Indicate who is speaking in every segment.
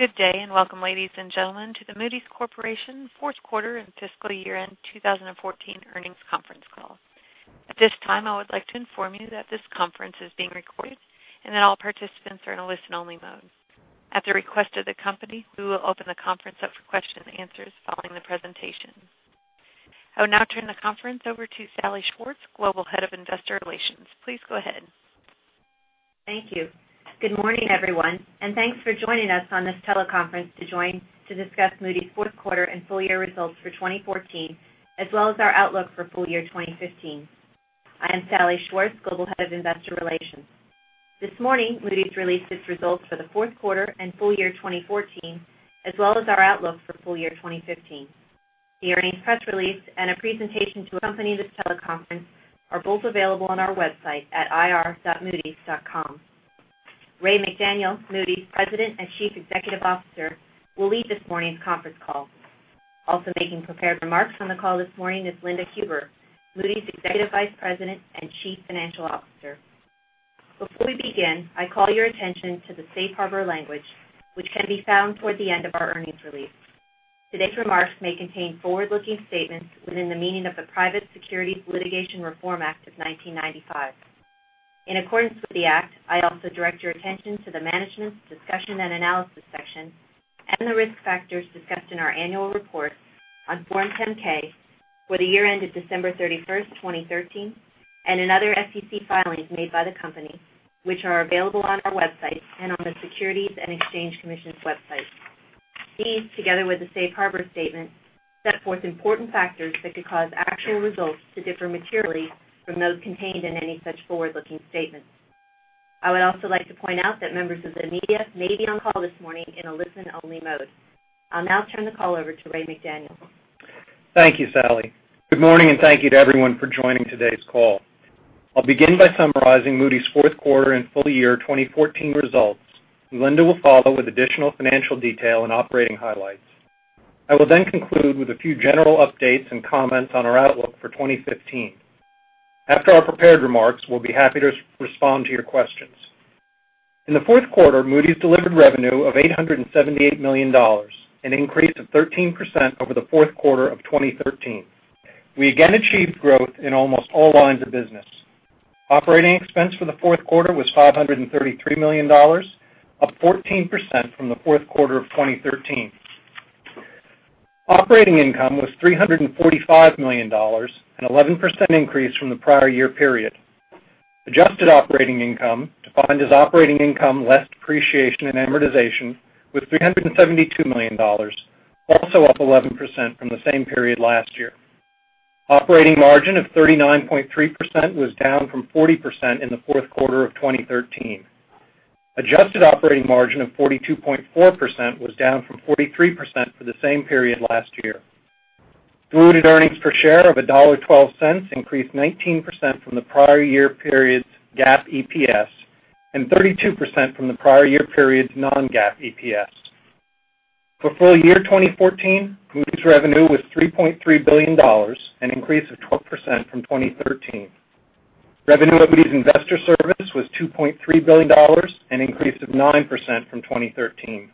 Speaker 1: Good day, welcome, ladies and gentlemen, to the Moody's Corporation fourth quarter and fiscal year-end 2014 earnings conference call. At this time, I would like to inform you that this conference is being recorded and that all participants are in a listen-only mode. At the request of the company, we will open the conference up for question and answers following the presentation. I will now turn the conference over to Salli Schwartz, Global Head of Investor Relations. Please go ahead.
Speaker 2: Thank you. Good morning, everyone, thanks for joining us on this teleconference to discuss Moody's fourth quarter and full year results for 2014, as well as our outlook for full year 2015. I am Salli Schwartz, Global Head of Investor Relations. This morning, Moody's released its results for the fourth quarter and full year 2014, as well as our outlook for full year 2015. The earnings press release and a presentation to accompany this teleconference are both available on our website at ir.moodys.com. Raymond McDaniel, Moody's President and Chief Executive Officer, will lead this morning's conference call. Also making prepared remarks on the call this morning is Linda Huber, Moody's Executive Vice President and Chief Financial Officer. Before we begin, I call your attention to the safe harbor language, which can be found toward the end of our earnings release. Today's remarks may contain forward-looking statements within the meaning of the Private Securities Litigation Reform Act of 1995. In accordance with the act, I also direct your attention to the Management Discussion and Analysis section and the risk factors discussed in our annual report on Form 10-K for the year ended December 31st, 2013, and in other SEC filings made by the company, which are available on our website and on the Securities and Exchange Commission's website. These, together with the safe harbor statement, set forth important factors that could cause actual results to differ materially from those contained in any such forward-looking statements. I would also like to point out that members of the media may be on call this morning in a listen-only mode. I'll now turn the call over to Raymond McDaniel.
Speaker 3: Thank you, Salli. Good morning, thank you to everyone for joining today's call. I'll begin by summarizing Moody's fourth quarter and full year 2014 results, and Linda will follow with additional financial detail and operating highlights. I will then conclude with a few general updates and comments on our outlook for 2015. After our prepared remarks, we'll be happy to respond to your questions. In the fourth quarter, Moody's delivered revenue of $878 million, an increase of 13% over the fourth quarter of 2013. We again achieved growth in almost all lines of business. Operating expense for the fourth quarter was $533 million, up 14% from the fourth quarter of 2013. Operating income was $345 million, an 11% increase from the prior year period. Adjusted operating income, defined as operating income less depreciation and amortization, was $372 million, also up 11% from the same period last year. Operating margin of 39.3% was down from 40% in the fourth quarter of 2013. Adjusted operating margin of 42.4% was down from 43% for the same period last year. Diluted earnings per share of $1.12 increased 19% from the prior year period's GAAP EPS and 32% from the prior year period's non-GAAP EPS. For full year 2014, Moody's revenue was $3.3 billion, an increase of 12% from 2013. Revenue at Moody's Investors Service was $2.3 billion, an increase of 9% from 2013.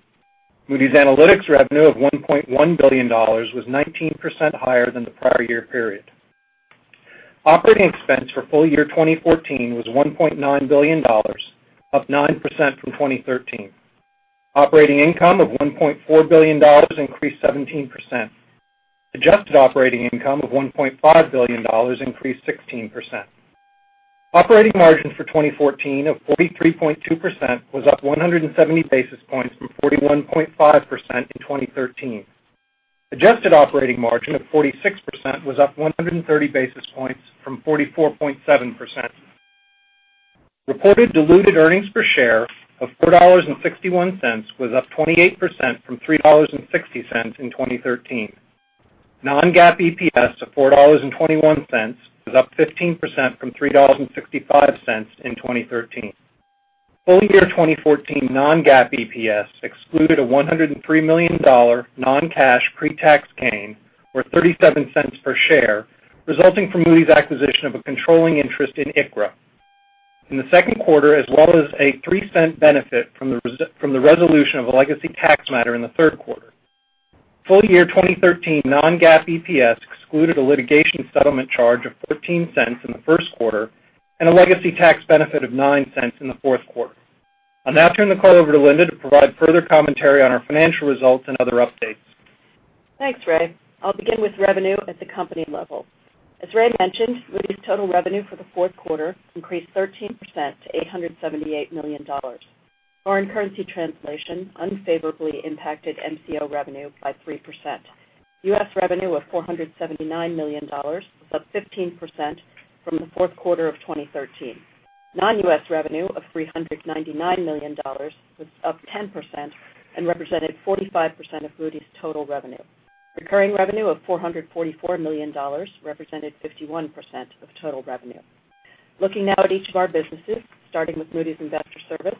Speaker 3: Moody's Analytics revenue of $1.1 billion was 19% higher than the prior year period. Operating expense for full year 2014 was $1.9 billion, up 9% from 2013. Operating income of $1.4 billion increased 17%. Adjusted operating income of $1.5 billion increased 16%. Operating margin for 2014 of 43.2% was up 170 basis points from 41.5% in 2013. Adjusted operating margin of 46% was up 130 basis points from 44.7%. Reported diluted earnings per share of $4.61 was up 28% from $3.60 in 2013. Non-GAAP EPS of $4.21 was up 15% from $3.65 in 2013. Full year 2014 non-GAAP EPS excluded a $103 million non-cash pre-tax gain, or $0.37 per share, resulting from Moody's acquisition of a controlling interest in ICRA in the second quarter, as well as a $0.03 benefit from the resolution of a legacy tax matter in the third quarter. Full year 2013 non-GAAP EPS excluded a litigation settlement charge of $0.14 in the first quarter and a legacy tax benefit of $0.09 in the fourth quarter. I'll now turn the call over to Linda to provide further commentary on our financial results and other updates.
Speaker 4: Thanks, Ray. I'll begin with revenue at the company level. As Ray mentioned, Moody's total revenue for the fourth quarter increased 13% to $878 million. Foreign currency translation unfavorably impacted MCO revenue by 3%. U.S. revenue of $479 million was up 15% from the fourth quarter of 2013. Non-U.S. revenue of $399 million was up 10% and represented 45% of Moody's total revenue. Recurring revenue of $444 million represented 51% of total revenue. Looking now at each of our businesses, starting with Moody's Investors Service,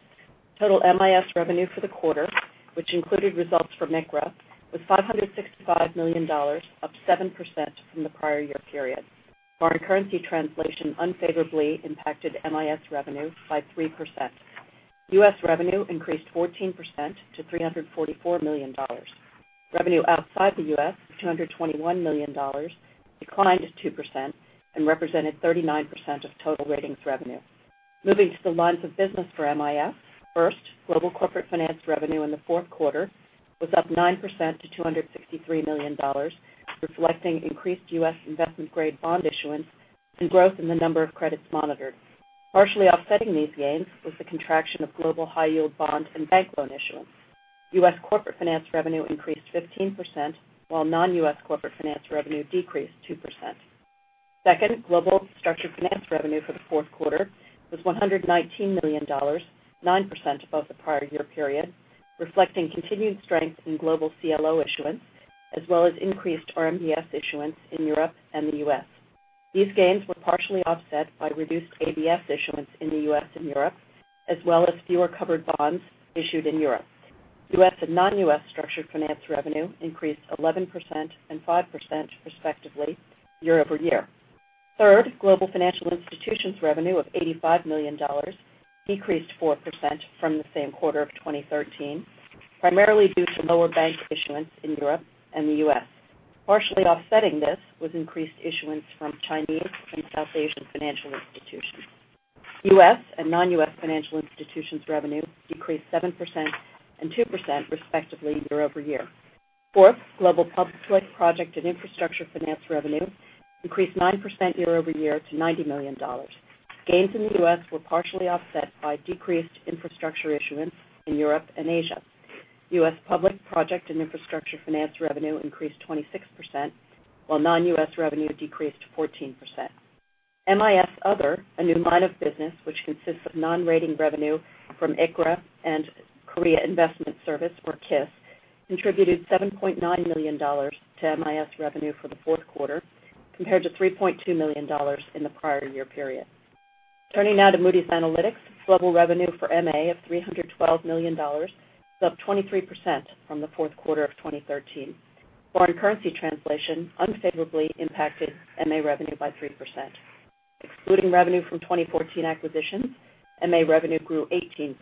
Speaker 4: total MIS revenue for the quarter, which included results from ICRA, was $565 million, up 7% from the prior year period. Foreign currency translation unfavorably impacted MIS revenue by 3%. U.S. revenue increased 14% to $344 million. Revenue outside the U.S., $221 million, declined 2% and represented 39% of total ratings revenue. Moving to the lines of business for MIS, first, global Corporate Finance revenue in the fourth quarter was up 9% to $263 million, reflecting increased U.S. investment-grade bond issuance and growth in the number of credits monitored. Partially offsetting these gains was the contraction of global high yield bond and bank loan issuance. U.S. Corporate Finance revenue increased 15%, while non-U.S. Corporate Finance revenue decreased 2%. Second, global Structured Finance revenue for the fourth quarter was $119 million, 9% above the prior year period, reflecting continued strength in global CLO issuance, as well as increased RMBS issuance in Europe and the U.S. These gains were partially offset by reduced ABS issuance in the U.S. and Europe, as well as fewer covered bonds issued in Europe. U.S. and non-U.S. structured finance revenue increased 11% and 5%, respectively, year-over-year. Third, global financial institutions revenue of $85 million decreased 4% from the same quarter of 2013, primarily due to lower bank issuance in Europe and the U.S. Partially offsetting this was increased issuance from Chinese and South Asian financial institutions. U.S. and non-U.S. financial institutions revenue decreased 7% and 2%, respectively, year-over-year. Fourth, global public project and infrastructure finance revenue increased 9% year-over-year to $90 million. Gains in the U.S. were partially offset by decreased infrastructure issuance in Europe and Asia. U.S. public project and infrastructure finance revenue increased 26%, while non-U.S. revenue decreased 14%. MIS Other, a new line of business which consists of non-rating revenue from ICRA and Korea Investors Service, or KIS, contributed $7.9 million to MIS revenue for the fourth quarter, compared to $3.2 million in the prior year period. Turning now to Moody's Analytics, global revenue for MA of $312 million was up 23% from the fourth quarter of 2013. Foreign currency translation unfavorably impacted MA revenue by 3%. Excluding revenue from 2014 acquisitions, MA revenue grew 18%.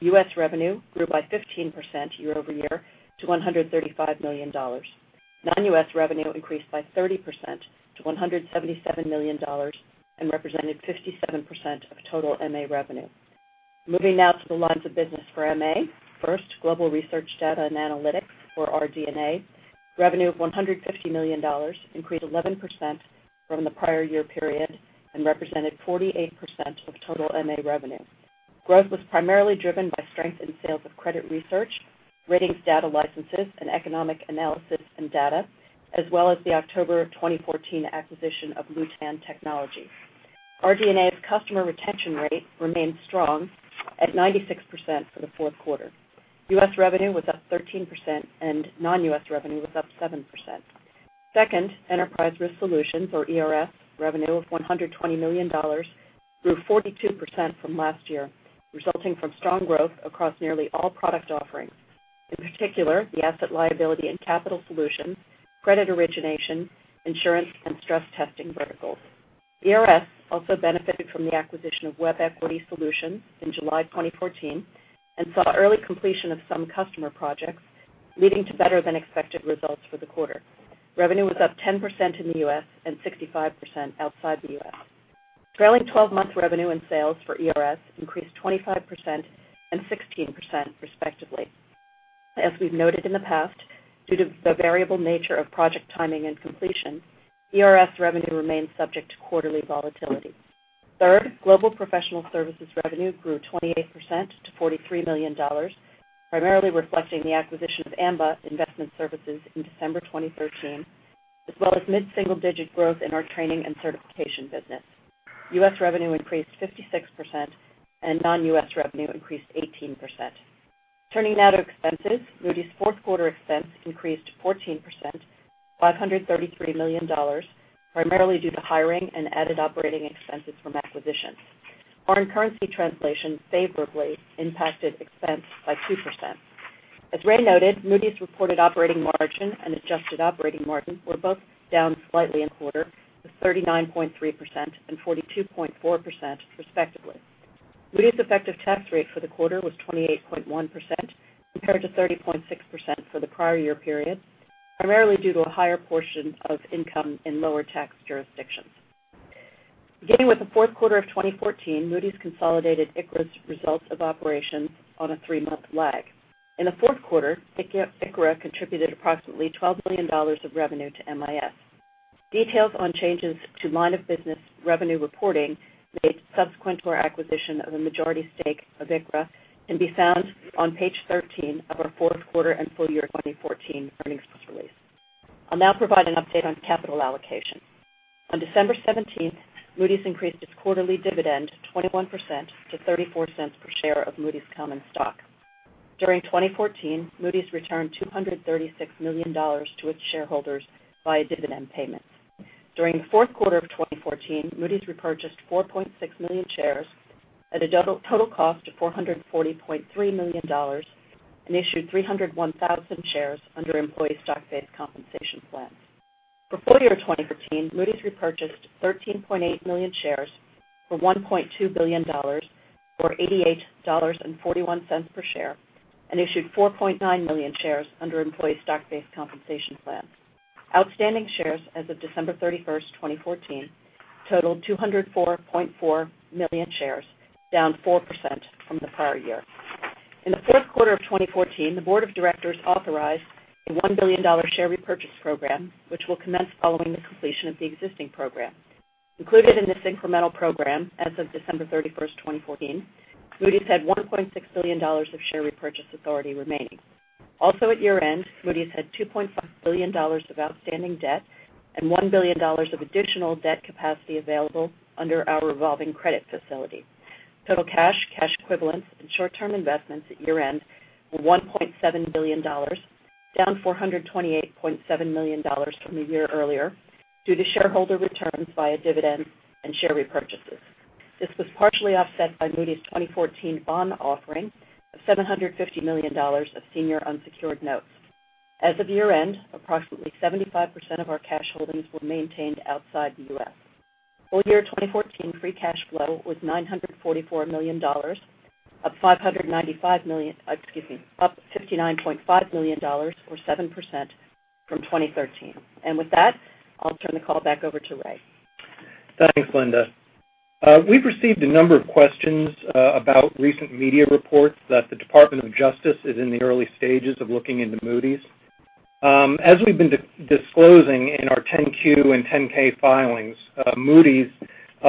Speaker 4: U.S. revenue grew by 15% year-over-year to $135 million. Non-U.S. revenue increased by 30% to $177 million and represented 57% of total MA revenue. Moving now to the lines of business for MA. First, global research data and analytics, or RD&A, revenue of $150 million increased 11% from the prior year period and represented 48% of total MA revenue. Growth was primarily driven by strength in sales of credit research, ratings data licenses, and economic analysis and data, as well as the October 2014 acquisition of Lewtan Technology. RD&A's customer retention rate remained strong at 96% for the fourth quarter. U.S. revenue was up 13%, and non-U.S. revenue was up 7%. Second, Enterprise Risk Solutions, or ERS, revenue of $120 million grew 42% from last year, resulting from strong growth across nearly all product offerings. In particular, the asset liability and capital solutions, credit origination, insurance, and stress testing verticals. ERS also benefited from the acquisition of WebEquity Solutions in July 2014 and saw early completion of some customer projects, leading to better than expected results for the quarter. Revenue was up 10% in the U.S. and 65% outside the U.S. Trailing 12-month revenue and sales for ERS increased 25% and 16%, respectively. As we've noted in the past, due to the variable nature of project timing and completion, ERS revenue remains subject to quarterly volatility. Third, global professional services revenue grew 28% to $43 million, primarily reflecting the acquisition of Amba Investment Services in December 2013, as well as mid-single-digit growth in our training and certification business. U.S. revenue increased 56%, and non-U.S. revenue increased 18%. Turning now to expenses. Moody's fourth quarter expense increased 14%, $533 million, primarily due to hiring and added operating expenses from acquisitions. Foreign currency translation favorably impacted expense by 2%. As Ray noted, Moody's reported operating margin and adjusted operating margin were both down slightly in the quarter to 39.3% and 42.4%, respectively. Moody's effective tax rate for the quarter was 28.1%, compared to 30.6% for the prior year period, primarily due to a higher portion of income in lower tax jurisdictions. Beginning with the fourth quarter of 2014, Moody's consolidated ICRA's results of operations on a three-month lag. In the fourth quarter, ICRA contributed approximately $12 million of revenue to MIS. Details on changes to line of business revenue reporting made subsequent to our acquisition of a majority stake of ICRA can be found on page 13 of our fourth quarter and full year 2014 earnings press release. I'll now provide an update on capital allocation. On December 17th, Moody's increased its quarterly dividend 21% to $0.34 per share of Moody's common stock. During 2014, Moody's returned $236 million to its shareholders via dividend payments. During the fourth quarter of 2014, Moody's repurchased 4.6 million shares at a total cost of $440.3 million and issued 301,000 shares under employee stock-based compensation plans. For full year 2013, Moody's repurchased 13.8 million shares for $1.2 billion or $88.41 per share, and issued 4.9 million shares under employee stock-based compensation plans. Outstanding shares as of December 31st, 2014, totaled 204.4 million shares, down 4% from the prior year. In the fourth quarter of 2014, the board of directors authorized a $1 billion share repurchase program, which will commence following the completion of the existing program. Included in this incremental program, as of December 31st, 2014, Moody's had $1.6 billion of share repurchase authority remaining. Also at year-end, Moody's had $2.5 billion of outstanding debt and $1 billion of additional debt capacity available under our revolving credit facility. Total cash equivalents, and short-term investments at year-end were $1.7 billion, down $428.7 million from the year earlier due to shareholder returns via dividends and share repurchases. This was partially offset by Moody's 2014 bond offering of $750 million of senior unsecured notes. As of year-end, approximately 75% of our cash holdings were maintained outside the U.S. Full year 2014 free cash flow was $944 million, up $59.5 million or 7% from 2013. With that, I'll turn the call back over to Ray.
Speaker 3: Thanks, Linda. We've received a number of questions about recent media reports that the Department of Justice is in the early stages of looking into Moody's. As we've been disclosing in our 10-Q and 10-K filings, Moody's,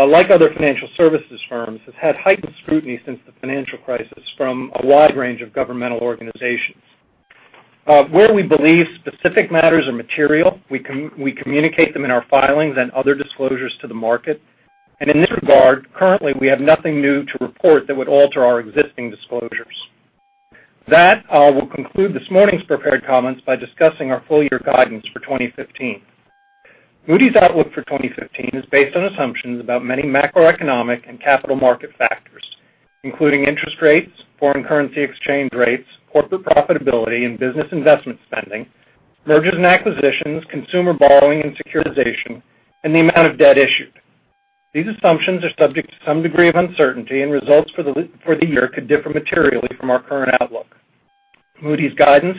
Speaker 3: like other financial services firms, has had heightened scrutiny since the financial crisis from a wide range of governmental organizations. Where we believe specific matters are material, we communicate them in our filings and other disclosures to the market. In this regard, currently, we have nothing new to report that would alter our existing disclosures. That I will conclude this morning's prepared comments by discussing our full-year guidance for 2015. Moody's outlook for 2015 is based on assumptions about many macroeconomic and capital market factors, including interest rates, foreign currency exchange rates, corporate profitability and business investment spending, mergers and acquisitions, consumer borrowing and securitization, and the amount of debt issued. These assumptions are subject to some degree of uncertainty, and results for the year could differ materially from our current outlook. Moody's guidance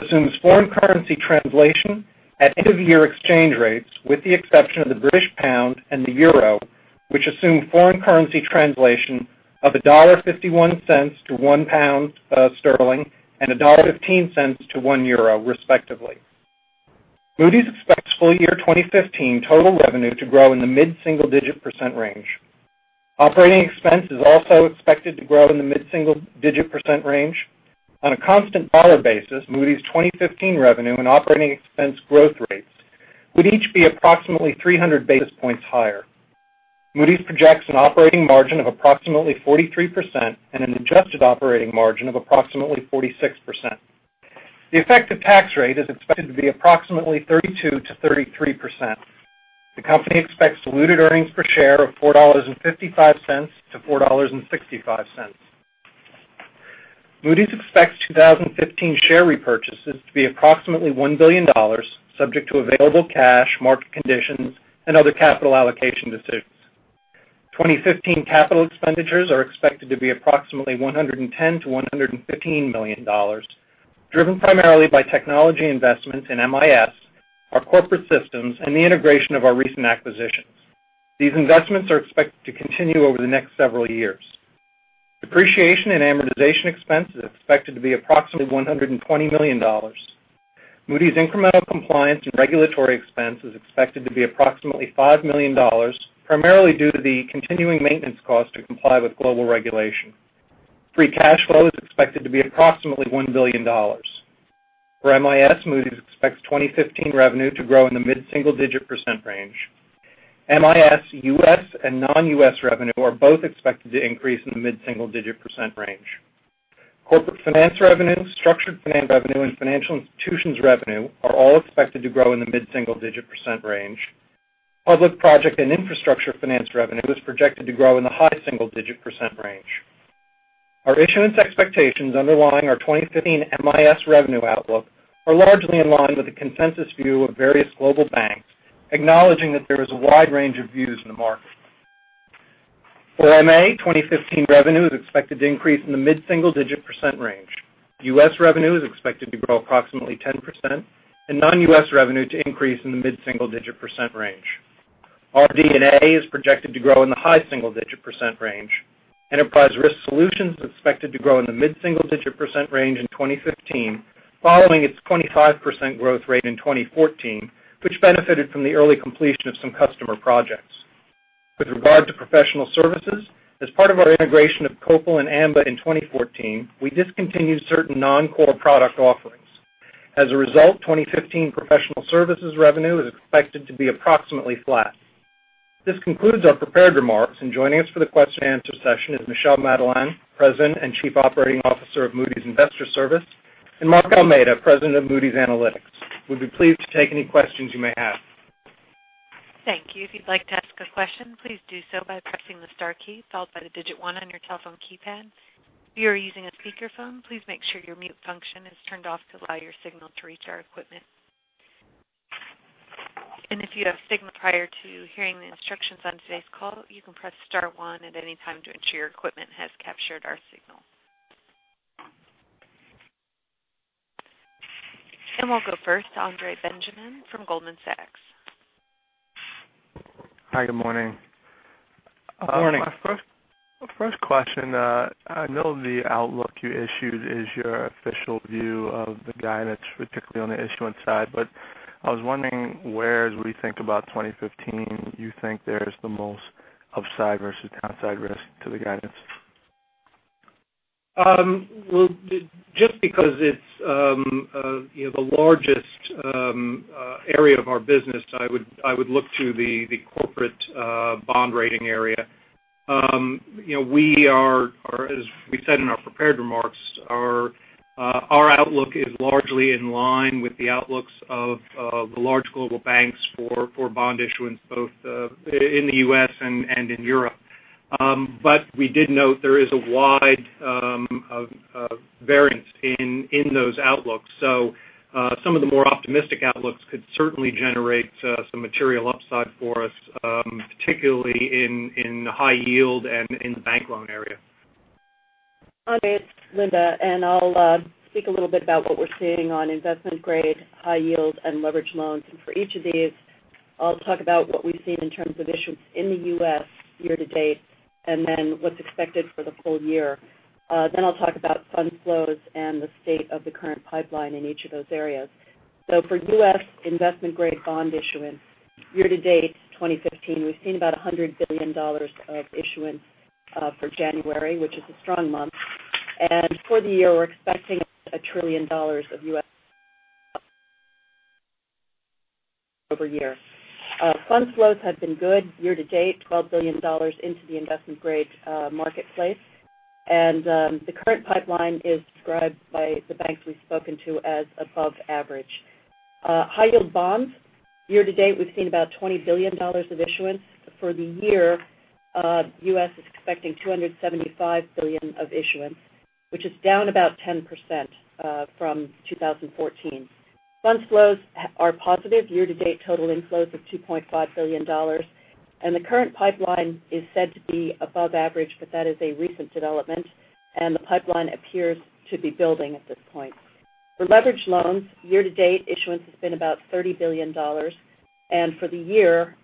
Speaker 3: assumes foreign currency translation at end-of-year exchange rates, with the exception of the British pound and the euro, which assume foreign currency translation of $1.51 to 1 pound and $1.15 to 1 euro, respectively. Moody's expects full-year 2015 total revenue to grow in the mid-single digit % range. Operating expense is also expected to grow in the mid-single digit % range. On a constant dollar basis, Moody's 2015 revenue and operating expense growth rates would each be approximately 300 basis points higher. Moody's projects an operating margin of approximately 43% and an adjusted operating margin of approximately 46%. The effective tax rate is expected to be approximately 32%-33%. The company expects diluted earnings per share of $4.55-$4.65. Moody's expects 2015 share repurchases to be approximately $1 billion, subject to available cash, market conditions, and other capital allocation decisions. 2015 capital expenditures are expected to be approximately $110-$115 million, driven primarily by technology investments in MIS, our corporate systems, and the integration of our recent acquisitions. These investments are expected to continue over the next several years. Depreciation and amortization expense is expected to be approximately $120 million. Moody's incremental compliance and regulatory expense is expected to be approximately $5 million, primarily due to the continuing maintenance cost to comply with global regulation. Free cash flow is expected to be approximately $1 billion. For MIS, Moody's expects 2015 revenue to grow in the mid-single digit % range. MIS U.S. and non-U.S. revenue are both expected to increase in the mid-single digit % range. Corporate finance revenue, structured finance revenue, and financial institutions revenue are all expected to grow in the mid-single digit % range. Public project and infrastructure finance revenue is projected to grow in the high single-digit % range. Our issuance expectations underlying our 2015 MIS revenue outlook are largely in line with the consensus view of various global banks, acknowledging that there is a wide range of views in the market. For MA, 2015 revenue is expected to increase in the mid-single digit % range. U.S. revenue is expected to grow approximately 10%, and non-U.S. revenue to increase in the mid-single digit % range. RD&A is projected to grow in the high single-digit % range. Enterprise Risk Solutions is expected to grow in the mid-single digit % range in 2015, following its 25% growth rate in 2014, which benefited from the early completion of some customer projects. With regard to professional services, as part of our integration of Copal and Amba in 2014, we discontinued certain non-core product offerings. As a result, 2015 professional services revenue is expected to be approximately flat. This concludes our prepared remarks, and joining us for the question and answer session is Michel Madelain, President and Chief Operating Officer of Moody's Investors Service, and Mark Almeida, President of Moody's Analytics. We'd be pleased to take any questions you may have.
Speaker 1: Thank you. If you'd like to ask a question, please do so by pressing the star key followed by the digit 1 on your telephone keypad. If you are using a speakerphone, please make sure your mute function is turned off to allow your signal to reach our equipment. If you have signal prior to hearing the instructions on today's call, you can press star one at any time to ensure your equipment has captured our signal. We'll go first to Andre Benjamin from Goldman Sachs.
Speaker 5: Hi, good morning.
Speaker 3: Good morning.
Speaker 5: My first question. I know the outlook you issued is your official view of the guidance, particularly on the issuance side, I was wondering where, as we think about 2015, you think there is the most upside versus downside risk to the guidance?
Speaker 3: Well, just because it's the largest area of our business, I would look to the corporate bond rating area. As we said in our prepared remarks, our outlook is largely in line with the outlooks of the large global banks for bond issuance, both in the U.S. and in Europe. We did note there is a wide variance in those outlooks. Some of the more optimistic outlooks could certainly generate some material upside for us, particularly in the high-yield and in the bank loan area.
Speaker 4: Andre, it's Linda, and I'll speak a little bit about what we're seeing on investment-grade, high-yield, and leveraged loans. For each of these, I'll talk about what we've seen in terms of issuance in the U.S. year-to-date, what's expected for the full year. I'll talk about fund flows and the state of the current pipeline in each of those areas. For U.S. investment-grade bond issuance, year-to-date 2015, we've seen about $100 billion of issuance for January, which is a strong month. For the year, we're expecting a trillion dollars of U.S. over year. Fund flows have been good year-to-date, $12 billion into the investment-grade marketplace. The current pipeline is described by the banks we've spoken to as above average. High-yield bonds, year-to-date, we've seen about $20 billion of issuance. For the year, U.S. is expecting $275 billion of issuance, which is down about 10% from 2014. Fund flows are positive year-to-date, total inflows of $2.5 billion. The current pipeline is said to be above average, that is a recent development. The pipeline appears to be building at this point. For leveraged loans, year-to-date, issuance has been about $30 billion. For the year,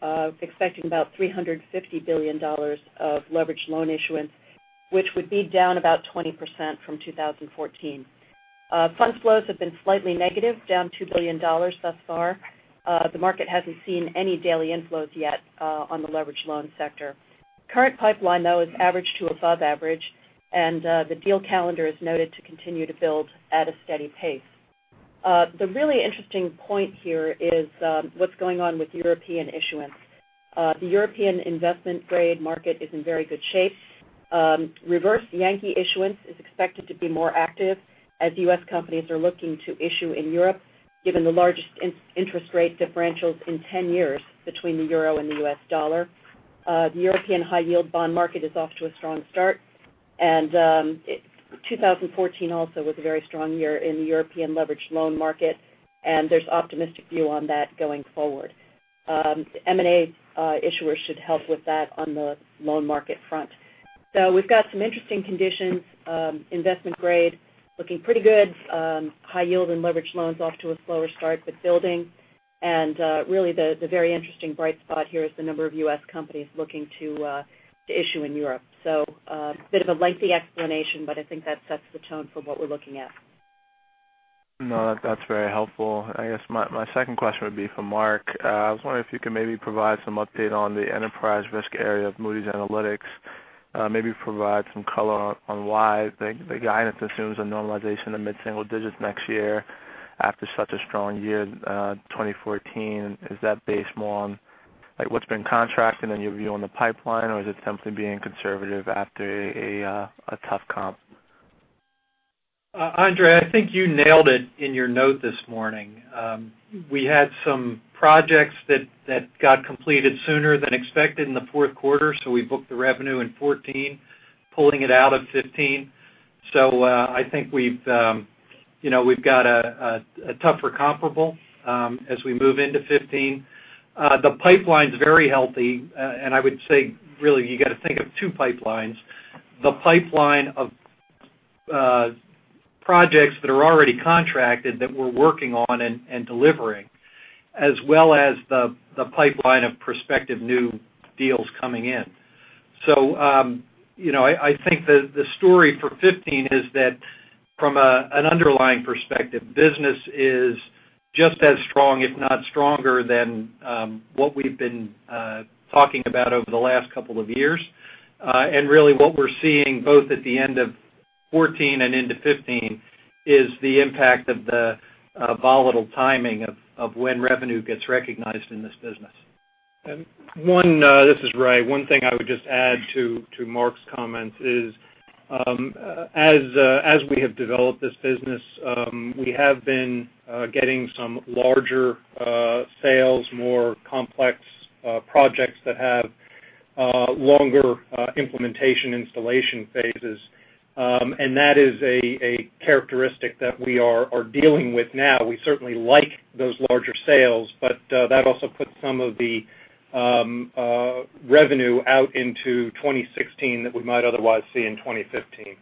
Speaker 4: expecting about $350 billion of leveraged loan issuance, which would be down about 20% from 2014. Fund flows have been slightly negative, down $2 billion thus far. The market hasn't seen any daily inflows yet on the leveraged loan sector. Current pipeline, though, is average to above average. The deal calendar is noted to continue to build at a steady pace. The really interesting point here is what's going on with European issuance. The European investment-grade market is in very good shape. Reverse Yankee issuance is expected to be more active as U.S. companies are looking to issue in Europe, given the largest interest rate differentials in 10 years between the euro and the U.S. dollar. The European high-yield bond market is off to a strong start. 2014 also was a very strong year in the European leveraged loan market. There's optimistic view on that going forward. M&A issuers should help with that on the loan market front. We've got some interesting conditions, investment-grade looking pretty good. High-yield and leveraged loans off to a slower start but building. Really the very interesting bright spot here is the number of U.S. companies looking to issue in Europe. A bit of a lengthy explanation, but I think that sets the tone for what we're looking at.
Speaker 5: No, that's very helpful. I guess my second question would be for Mark Almeida. I was wondering if you could maybe provide some update on the enterprise risk area of Moody's Analytics. Maybe provide some color on why the guidance assumes a normalization of mid-single digits next year after such a strong year in 2014. Is that based more on what's been contracted and your view on the pipeline, or is it simply being conservative after a tough comp?
Speaker 6: Andre Benjamin, I think you nailed it in your note this morning. We had some projects that got completed sooner than expected in the fourth quarter, so we booked the revenue in 2014, pulling it out of 2015. I think we've got a tougher comparable as we move into 2015. The pipeline's very healthy, I would say really, you got to think of two pipelines, the pipeline of projects that are already contracted that we're working on and delivering, as well as the pipeline of prospective new deals coming in. I think the story for 2015 is that from an underlying perspective, business is just as strong, if not stronger than what we've been talking about over the last couple of years. Really what we're seeing both at the end of 2014 and into 2015 is the impact of the volatile timing of when revenue gets recognized in this business.
Speaker 3: This is Raymond McDaniel. One thing I would just add to Mark Almeida's comments is As we have developed this business, we have been getting some larger sales, more complex projects that have longer implementation installation phases. That is a characteristic that we are dealing with now. We certainly like those larger sales, that also puts some of the revenue out into 2016 that we might otherwise see in 2015.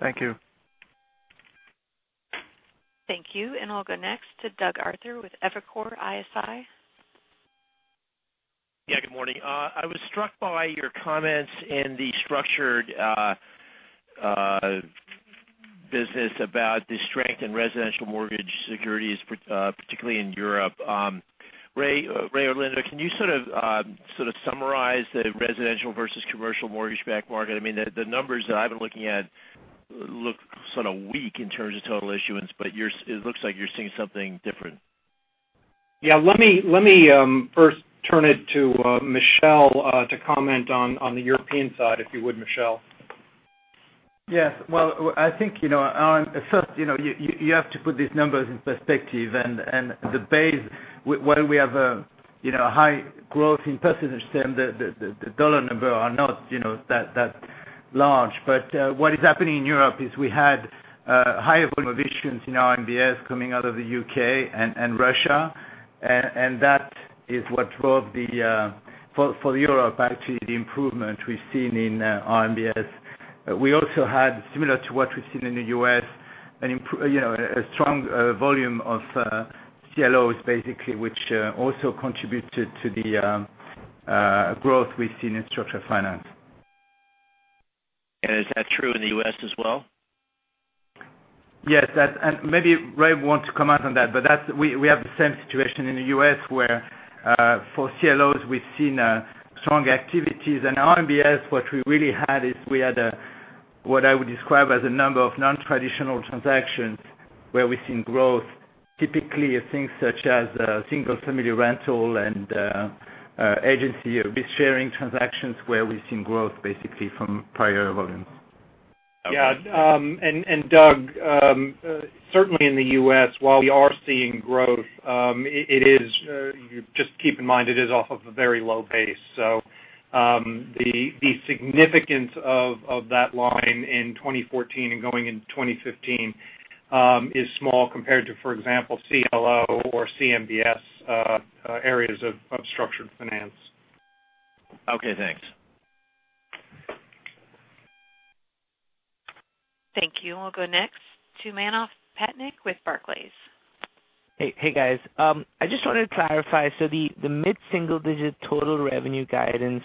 Speaker 5: Thank you.
Speaker 1: Thank you. I'll go next to Doug Arthur with Evercore ISI.
Speaker 7: Yeah. Good morning. I was struck by your comments in the structured business about the strength in residential mortgage securities, particularly in Europe. Ray or Linda, can you sort of summarize the residential versus commercial mortgage-backed market? The numbers that I've been looking at look sort of weak in terms of total issuance, it looks like you're seeing something different.
Speaker 3: Yeah. Let me first turn it to Michel to comment on the European side, if you would, Michel.
Speaker 8: Yes. Well, I think, first, you have to put these numbers in perspective. The base, while we have a high growth in percentage term, the $ number are not that large. What is happening in Europe is we had higher volume of issuance in RMBS coming out of the U.K. and Russia. That is what drove the, for Europe, actually, the improvement we've seen in RMBS. We also had, similar to what we've seen in the U.S., a strong volume of CLOs, basically, which also contributed to the growth we've seen in structured finance.
Speaker 7: Is that true in the U.S. as well?
Speaker 8: Yes. Maybe Ray will want to comment on that. We have the same situation in the U.S., where for CLOs, we've seen strong activities. In RMBS, what we really had is we had a, what I would describe as a number of non-traditional transactions where we've seen growth. Typically, things such as single-family rental and agency risk-sharing transactions where we've seen growth basically from prior volumes.
Speaker 3: Yeah. Doug, certainly in the U.S., while we are seeing growth, just keep in mind, it is off of a very low base. The significance of that line in 2014 and going into 2015 is small compared to, for example, CLO or CMBS areas of structured finance.
Speaker 7: Okay, thanks.
Speaker 1: Thank you. I'll go next to Manav Patnaik with Barclays.
Speaker 9: Hey, guys. I just wanted to clarify, the mid-single digit total revenue guidance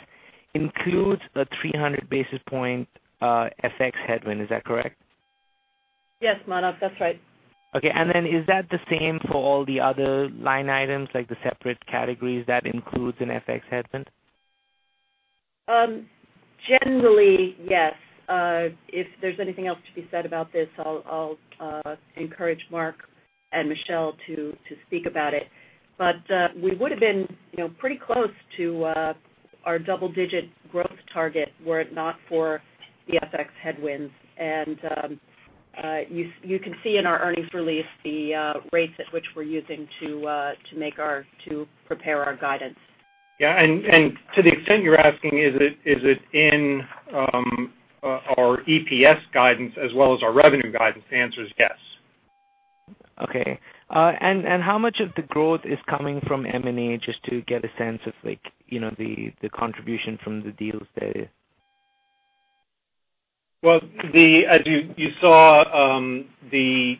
Speaker 9: includes a 300 basis point FX headwind. Is that correct?
Speaker 4: Yes, Manav, that's right.
Speaker 9: Is that the same for all the other line items, like the separate categories, that includes an FX headwind?
Speaker 4: Generally, yes. If there's anything else to be said about this, I'll encourage Mark and Michel to speak about it. We would've been pretty close to our double-digit growth target were it not for the FX headwinds. You can see in our earnings release the rates at which we're using to prepare our guidance.
Speaker 3: To the extent you're asking, is it in our EPS guidance as well as our revenue guidance? The answer is yes.
Speaker 9: Okay. How much of the growth is coming from M&A, just to get a sense of the contribution from the deals there?
Speaker 3: Well, as you saw, the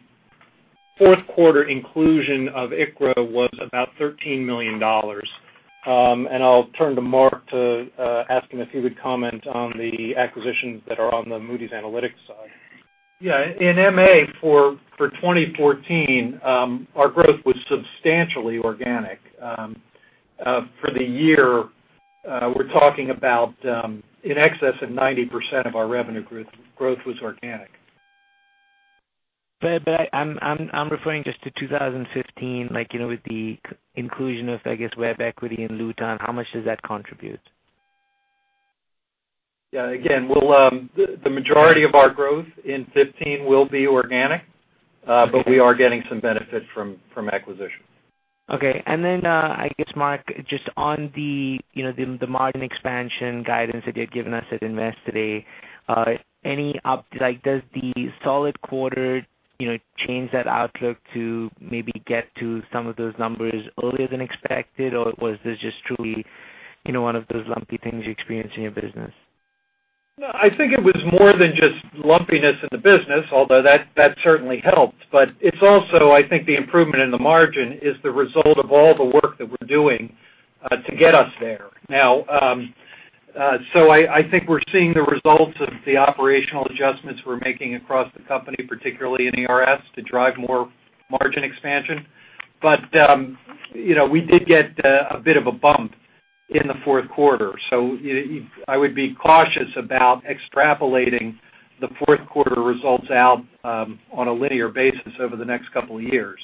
Speaker 3: fourth quarter inclusion of ICRA was about $13 million. I'll turn to Mark to ask him if he would comment on the acquisitions that are on the Moody's Analytics side.
Speaker 6: Yeah. In MA for 2014, our growth was substantially organic. For the year, we're talking about in excess of 90% of our revenue growth was organic.
Speaker 9: I'm referring just to 2015, like, with the inclusion of, I guess, WebEquity and Lewtan. How much does that contribute?
Speaker 6: Yeah. Again, the majority of our growth in 2015 will be organic.
Speaker 9: Okay
Speaker 3: We are getting some benefit from acquisitions.
Speaker 9: Okay. I guess, Mark, just on the margin expansion guidance that you'd given us at Investor Day. Does the solid quarter change that outlook to maybe get to some of those numbers earlier than expected? Was this just truly one of those lumpy things you experience in your business?
Speaker 6: No, I think it was more than just lumpiness in the business, although that certainly helped. It's also, I think, the improvement in the margin is the result of all the work that we're doing to get us there. Now, I think we're seeing the results of the operational adjustments we're making across the company, particularly in ERS, to drive more margin expansion. We did get a bit of a bump in the fourth quarter, so I would be cautious about extrapolating the fourth quarter results out on a linear basis over the next couple of years.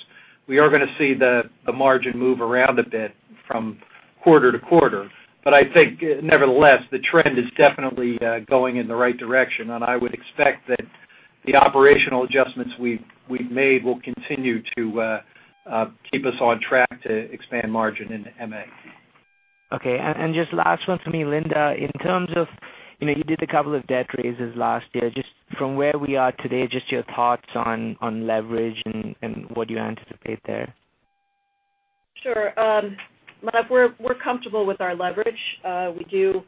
Speaker 6: We are going to see the margin move around a bit from quarter to quarter. I think nevertheless, the trend is definitely going in the right direction, and I would expect that the operational adjustments we've made will continue to keep us on track to expand margin into MA.
Speaker 9: Okay. Just last one from me, Linda, you did a couple of debt raises last year. From where we are today, just your thoughts on leverage and what you anticipate there.
Speaker 4: Sure. Manav, we're comfortable with our leverage. We do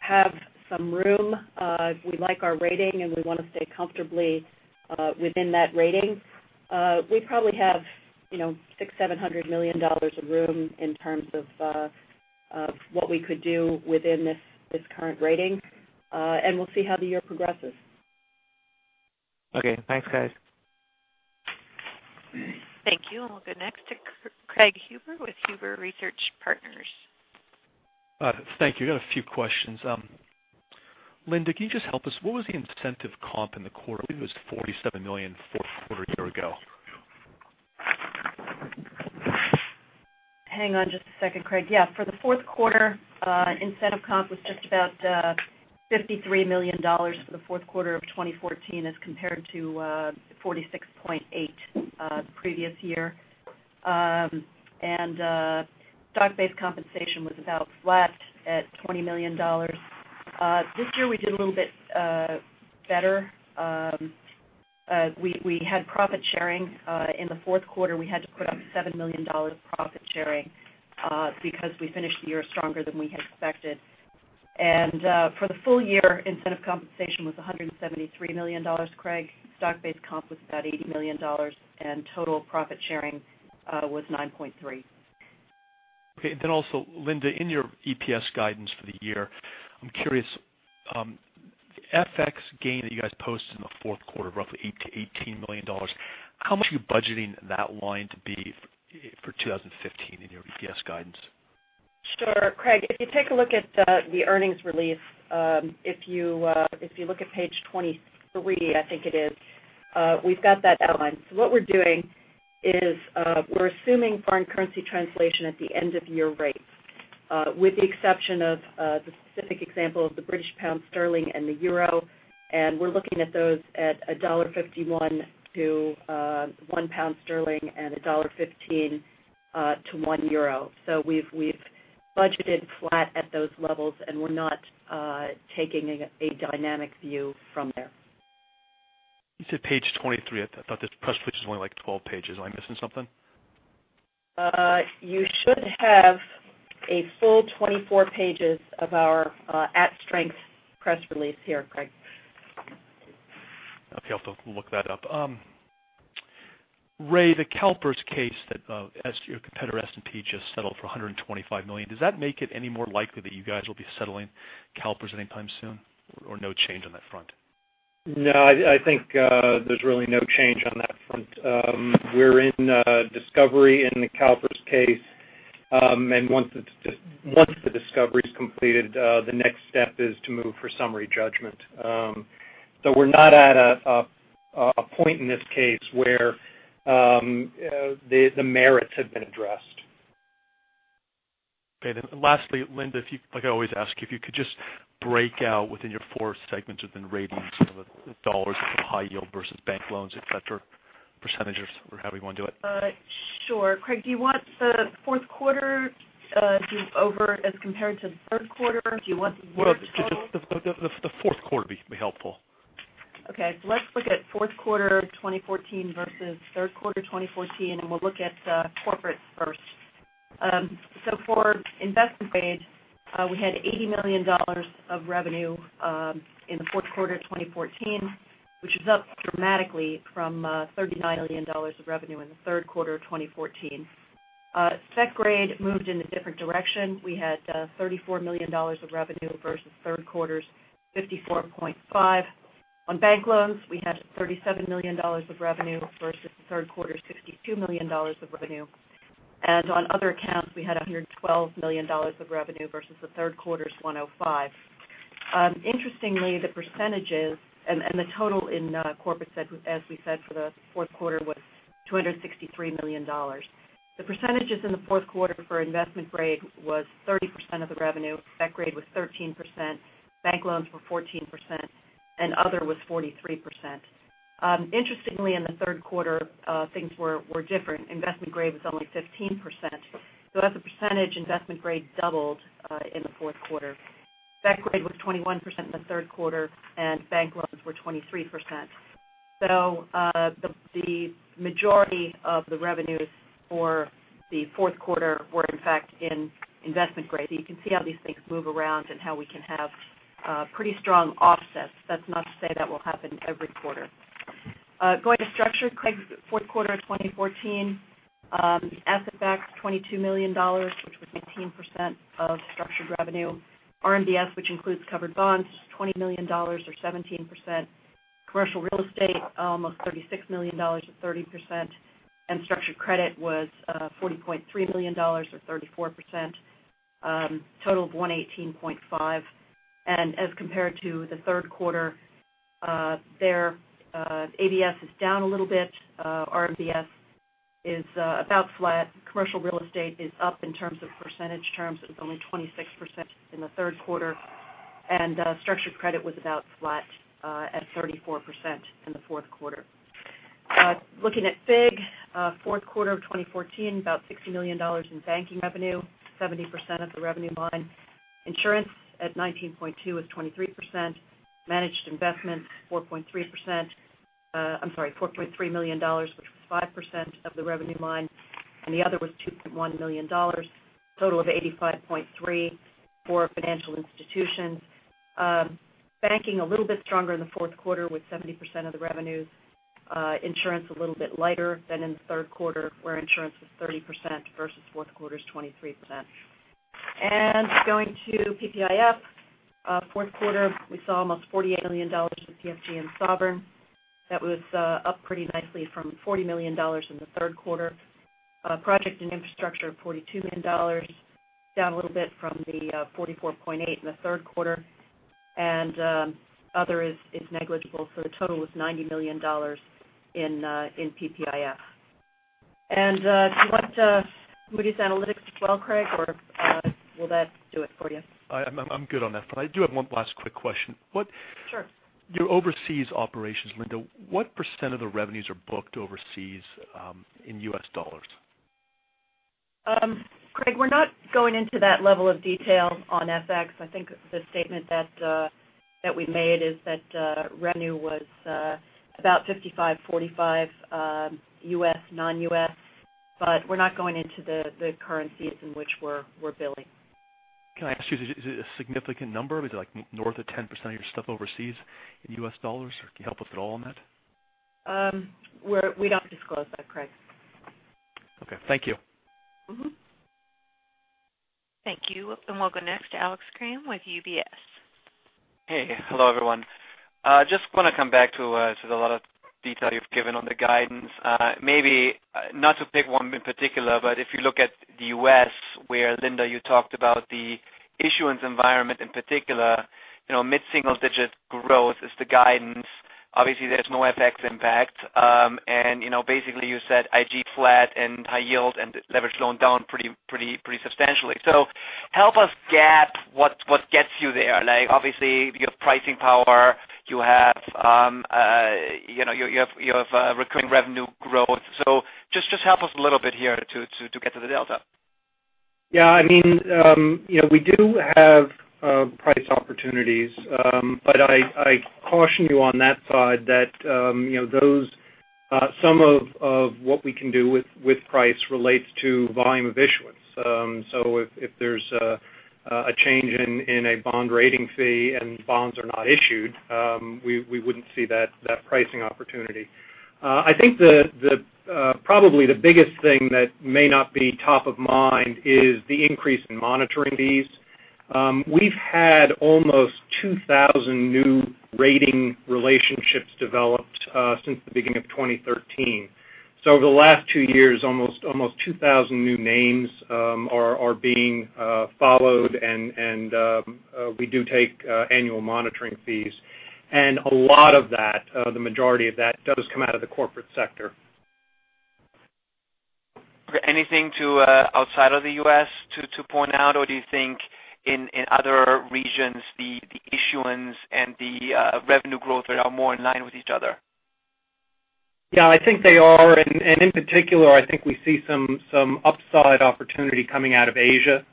Speaker 4: have some room. We like our rating, and we want to stay comfortably within that rating. We probably have $600 million, $700 million of room in terms of what we could do within this current rating. We'll see how the year progresses.
Speaker 9: Okay. Thanks, guys.
Speaker 1: Thank you. We'll go next to Craig Huber with Huber Research Partners.
Speaker 10: Thank you. I've got a few questions. Linda, can you just help us? What was the incentive comp in the quarter? I believe it was $47 million fourth quarter a year ago.
Speaker 4: Hang on just a second, Craig. Yeah. For the fourth quarter, incentive comp was just about $53 million for the fourth quarter of 2014 as compared to $46.8 million previous year. Stock-based compensation was about flat at $20 million. This year we did a little bit better. We had profit sharing. In the fourth quarter, we had to put up $7 million profit sharing because we finished the year stronger than we had expected. For the full year, incentive compensation was $173 million, Craig. Stock-based comp was about $80 million, and total profit sharing was $9.3 million.
Speaker 10: Linda, in your EPS guidance for the year, I'm curious, FX gain that you guys posted in the fourth quarter, roughly $18 million. How much are you budgeting that line to be for 2015 in your EPS guidance?
Speaker 4: Sure. Craig, if you take a look at the earnings release, if you look at page 23, I think it is, we've got that outlined. What we're doing is we're assuming foreign currency translation at the end-of-year rate with the exception of the specific example of the British pound sterling and the euro, and we're looking at those at $1.51 to £1 pound sterling and $1.15 to €1 euro. We've budgeted flat at those levels, and we're not taking a dynamic view from there.
Speaker 10: You said page 23. I thought this press release was only 12 pages. Am I missing something?
Speaker 4: You should have a full 24 pages of our at-strength press release here, Craig.
Speaker 10: Okay, I'll have to look that up. Ray, the CalPERS case that your competitor, S&P, just settled for $125 million. Does that make it any more likely that you guys will be settling CalPERS anytime soon, or no change on that front?
Speaker 3: No, I think there's really no change on that front. We're in discovery in the CalPERS case. Once the discovery's completed, the next step is to move for summary judgment. We're not at a point in this case where the merits have been addressed.
Speaker 10: Okay, lastly, Linda, like I always ask you, if you could just break out within your four segments within ratings the dollars for high yield versus bank loans, et cetera, percentages or however you want to do it.
Speaker 4: Sure. Craig, do you want the fourth quarter over as compared to the third quarter? Do you want the year to date?
Speaker 10: Just the fourth quarter would be helpful.
Speaker 4: Okay. Let's look at fourth quarter 2014 versus third quarter 2014, we'll look at corporate first. For investment grade, we had $80 million of revenue in the fourth quarter 2014, which is up dramatically from $39 million of revenue in the third quarter 2014. Spec grade moved in a different direction. We had $34 million of revenue versus third quarter's $54.5 million. On bank loans, we had $37 million of revenue versus the third quarter's $62 million of revenue. On other accounts, we had $112 million of revenue versus the third quarter's $105 million. Interestingly, the percentages and the total in corporate, as we said, for the fourth quarter was $263 million. The percentages in the fourth quarter for investment grade was 30% of the revenue. Spec grade was 13%. Bank loans were 14%, and other was 43%. Interestingly, in the third quarter, things were different. Investment grade was only 15%. As a percentage, investment grade doubled in the fourth quarter. Spec grade was 21% in the third quarter, and bank loans were 23%. The majority of the revenues for the fourth quarter were, in fact, in investment grade. You can see how these things move around and how we can have pretty strong offsets. That's not to say that will happen every quarter. Going to structured, Craig. Fourth quarter 2014, asset-backed, $22 million, which was 18% of structured revenue. RMBS, which includes covered bonds, $20 million or 17%. Commercial real estate, almost $36 million or 30%, and structured credit was $40.3 million or 34%. Total of $118.5 million. As compared to the third quarter, ABS is down a little bit. RMBS is about flat. Commercial real estate is up in terms of percentage terms. It was only 26% in the third quarter. Structured credit was about flat at 34% in the fourth quarter. Looking at FIG, fourth quarter of 2014, about $60 million in banking revenue, 70% of the revenue line. Insurance at $19.2 million was 23%. Managed investment, I'm sorry, $4.3 million, which was 5% of the revenue line. The other was $2.1 million, total of $85.3 million for financial institutions. Banking a little bit stronger in the fourth quarter with 70% of the revenues. Insurance a little bit lighter than in the third quarter, where insurance was 30% versus fourth quarter's 23%. Going to PPIF. Fourth quarter, we saw almost $48 million in PFG and sovereign. That was up pretty nicely from $40 million in the third quarter. Project and infrastructure, $42 million, down a little bit from the $44.8 million in the third quarter. Other is negligible. The total was $90 million in PPIF. Do you want Moody's Analytics as well, Craig, or will that do it for you?
Speaker 10: I'm good on that. I do have one last quick question.
Speaker 4: Sure.
Speaker 10: Your overseas operations, Linda, what % of the revenues are booked overseas in U.S. dollars?
Speaker 4: Craig, we're not going into that level of detail on FX. I think the statement that we made is that revenue was about 55/45 U.S., non-U.S., we're not going into the currencies in which we're billing.
Speaker 10: Can I ask you, is it a significant number? Is it north of 10% of your stuff overseas in U.S. dollars? Can you help us at all on that?
Speaker 4: We don't disclose that, Craig.
Speaker 10: Okay. Thank you.
Speaker 1: Thank you. We'll go next to Alex Kramm with UBS.
Speaker 11: Hey. Hello, everyone. Just want to come back to a lot of detail you've given on the guidance. Maybe not to pick one in particular, but if you look at the U.S., where Linda, you talked about the issuance environment in particular, mid-single digit growth is the guidance. Obviously, there's no FX impact. Basically, you said IG flat and high yield and leveraged loan down pretty substantially. Help us gap what gets you there. Obviously, you have pricing power, you have recurring revenue growth. Just help us a little bit here to get to the delta.
Speaker 3: Yeah. We do have price opportunities. I caution you on that side that some of what we can do with price relates to volume of issuance. If there's a change in a bond rating fee and bonds are not issued, we wouldn't see that pricing opportunity. I think probably the biggest thing that may not be top of mind is the increase in monitoring fees. We've had almost 2,000 new rating relationships developed since the beginning of 2013. Over the last two years, almost 2,000 new names are being followed, and we do take annual monitoring fees. A lot of that, the majority of that, does come out of the corporate sector.
Speaker 11: Anything to outside of the U.S. to point out, or do you think in other regions, the issuance and the revenue growth are more in line with each other?
Speaker 3: Yeah, I think they are. In particular, I think we see some upside opportunity coming out of Asia.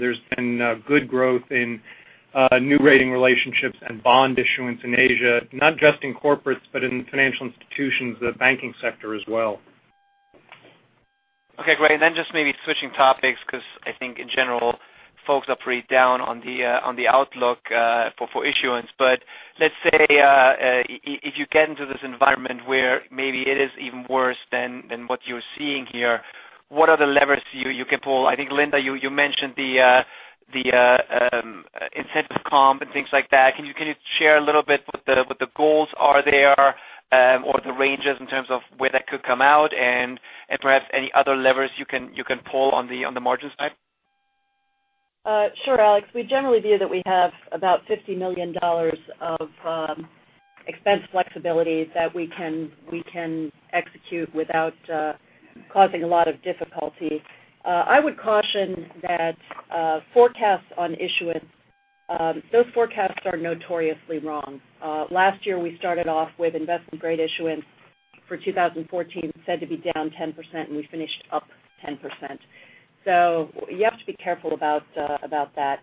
Speaker 3: There's been good growth in new rating relationships and bond issuance in Asia, not just in corporates, but in financial institutions, the banking sector as well.
Speaker 11: Okay, great. Just maybe switching topics because I think in general, folks are pretty down on the outlook for issuance. Let's say if you get into this environment where maybe it is even worse than what you're seeing here, what are the levers you can pull? I think, Linda, you mentioned the incentive comp and things like that. Can you share a little bit what the goals are there or the ranges in terms of where that could come out and perhaps any other levers you can pull on the margin side?
Speaker 4: Sure, Alex. We generally view that we have about $50 million of expense flexibility that we can execute without causing a lot of difficulty. I would caution that forecasts on issuance, those forecasts are notoriously wrong. Last year, we started off with investment-grade issuance for 2014 said to be down 10%, and we finished up 10%. You have to be careful about that.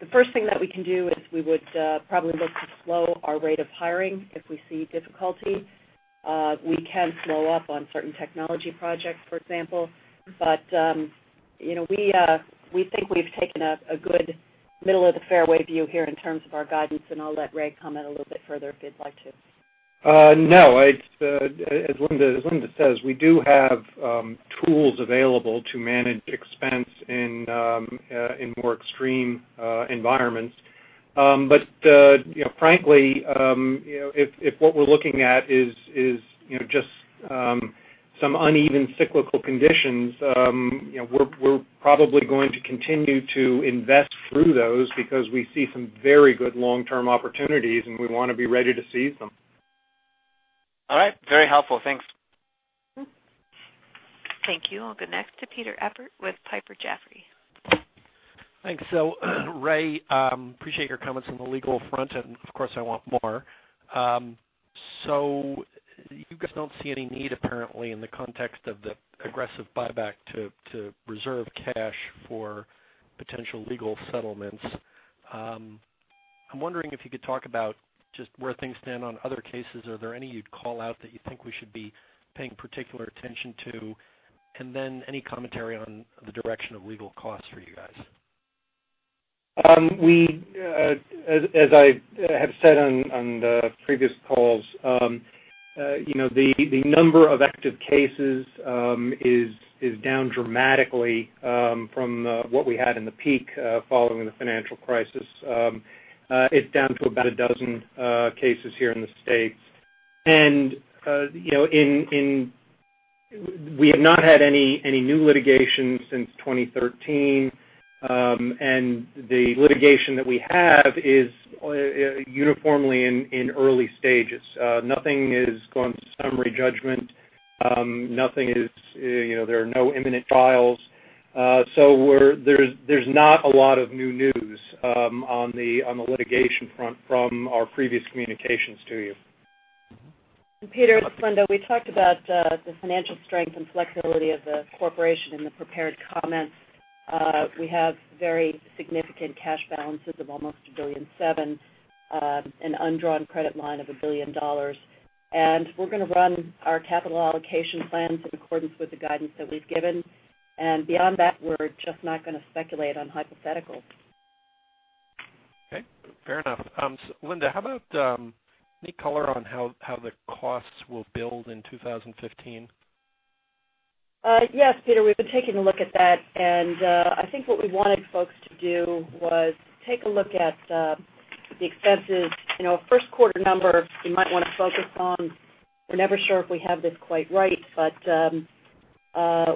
Speaker 4: The first thing that we can do is we would probably look to slow our rate of hiring if we see difficulty. We can slow up on certain technology projects, for example. We think we've taken a good middle-of-the-fairway view here in terms of our guidance, and I'll let Ray comment a little bit further if he'd like to.
Speaker 3: No. As Linda says, we do have tools available to manage expense in more extreme environments. Frankly, if what we're looking at is just some uneven cyclical conditions, we're probably going to continue to invest through those because we see some very good long-term opportunities, and we want to be ready to seize them.
Speaker 11: All right. Very helpful. Thanks.
Speaker 1: Thank you. I'll go next to Peter Appert with Piper Jaffray.
Speaker 12: Thanks. Ray, appreciate your comments on the legal front. Of course, I want more. You guys don't see any need, apparently, in the context of the aggressive buyback to reserve cash for potential legal settlements. I'm wondering if you could talk about just where things stand on other cases. Are there any you'd call out that you think we should be paying particular attention to? Then any commentary on the direction of legal costs for you guys.
Speaker 3: As I have said on the previous calls, the number of active cases is down dramatically from what we had in the peak following the financial crisis. It's down to about a dozen cases here in the U.S. We have not had any new litigation since 2013. The litigation that we have is uniformly in early stages. Nothing has gone to summary judgment. There are no imminent trials. There's not a lot of new news on the litigation front from our previous communications to you.
Speaker 4: Peter, it's Linda. We talked about the financial strength and flexibility of the corporation in the prepared comments. We have very significant cash balances of almost $1.7 billion, an undrawn credit line of $1 billion. We're going to run our capital allocation plans in accordance with the guidance that we've given. Beyond that, we're just not going to speculate on hypotheticals.
Speaker 12: Okay. Fair enough. Linda, how about any color on how the costs will build in 2015?
Speaker 4: Yes, Peter, we've been taking a look at that. I think what we wanted folks to do was take a look at the expenses. A first quarter number you might want to focus on, we're never sure if we have this quite right,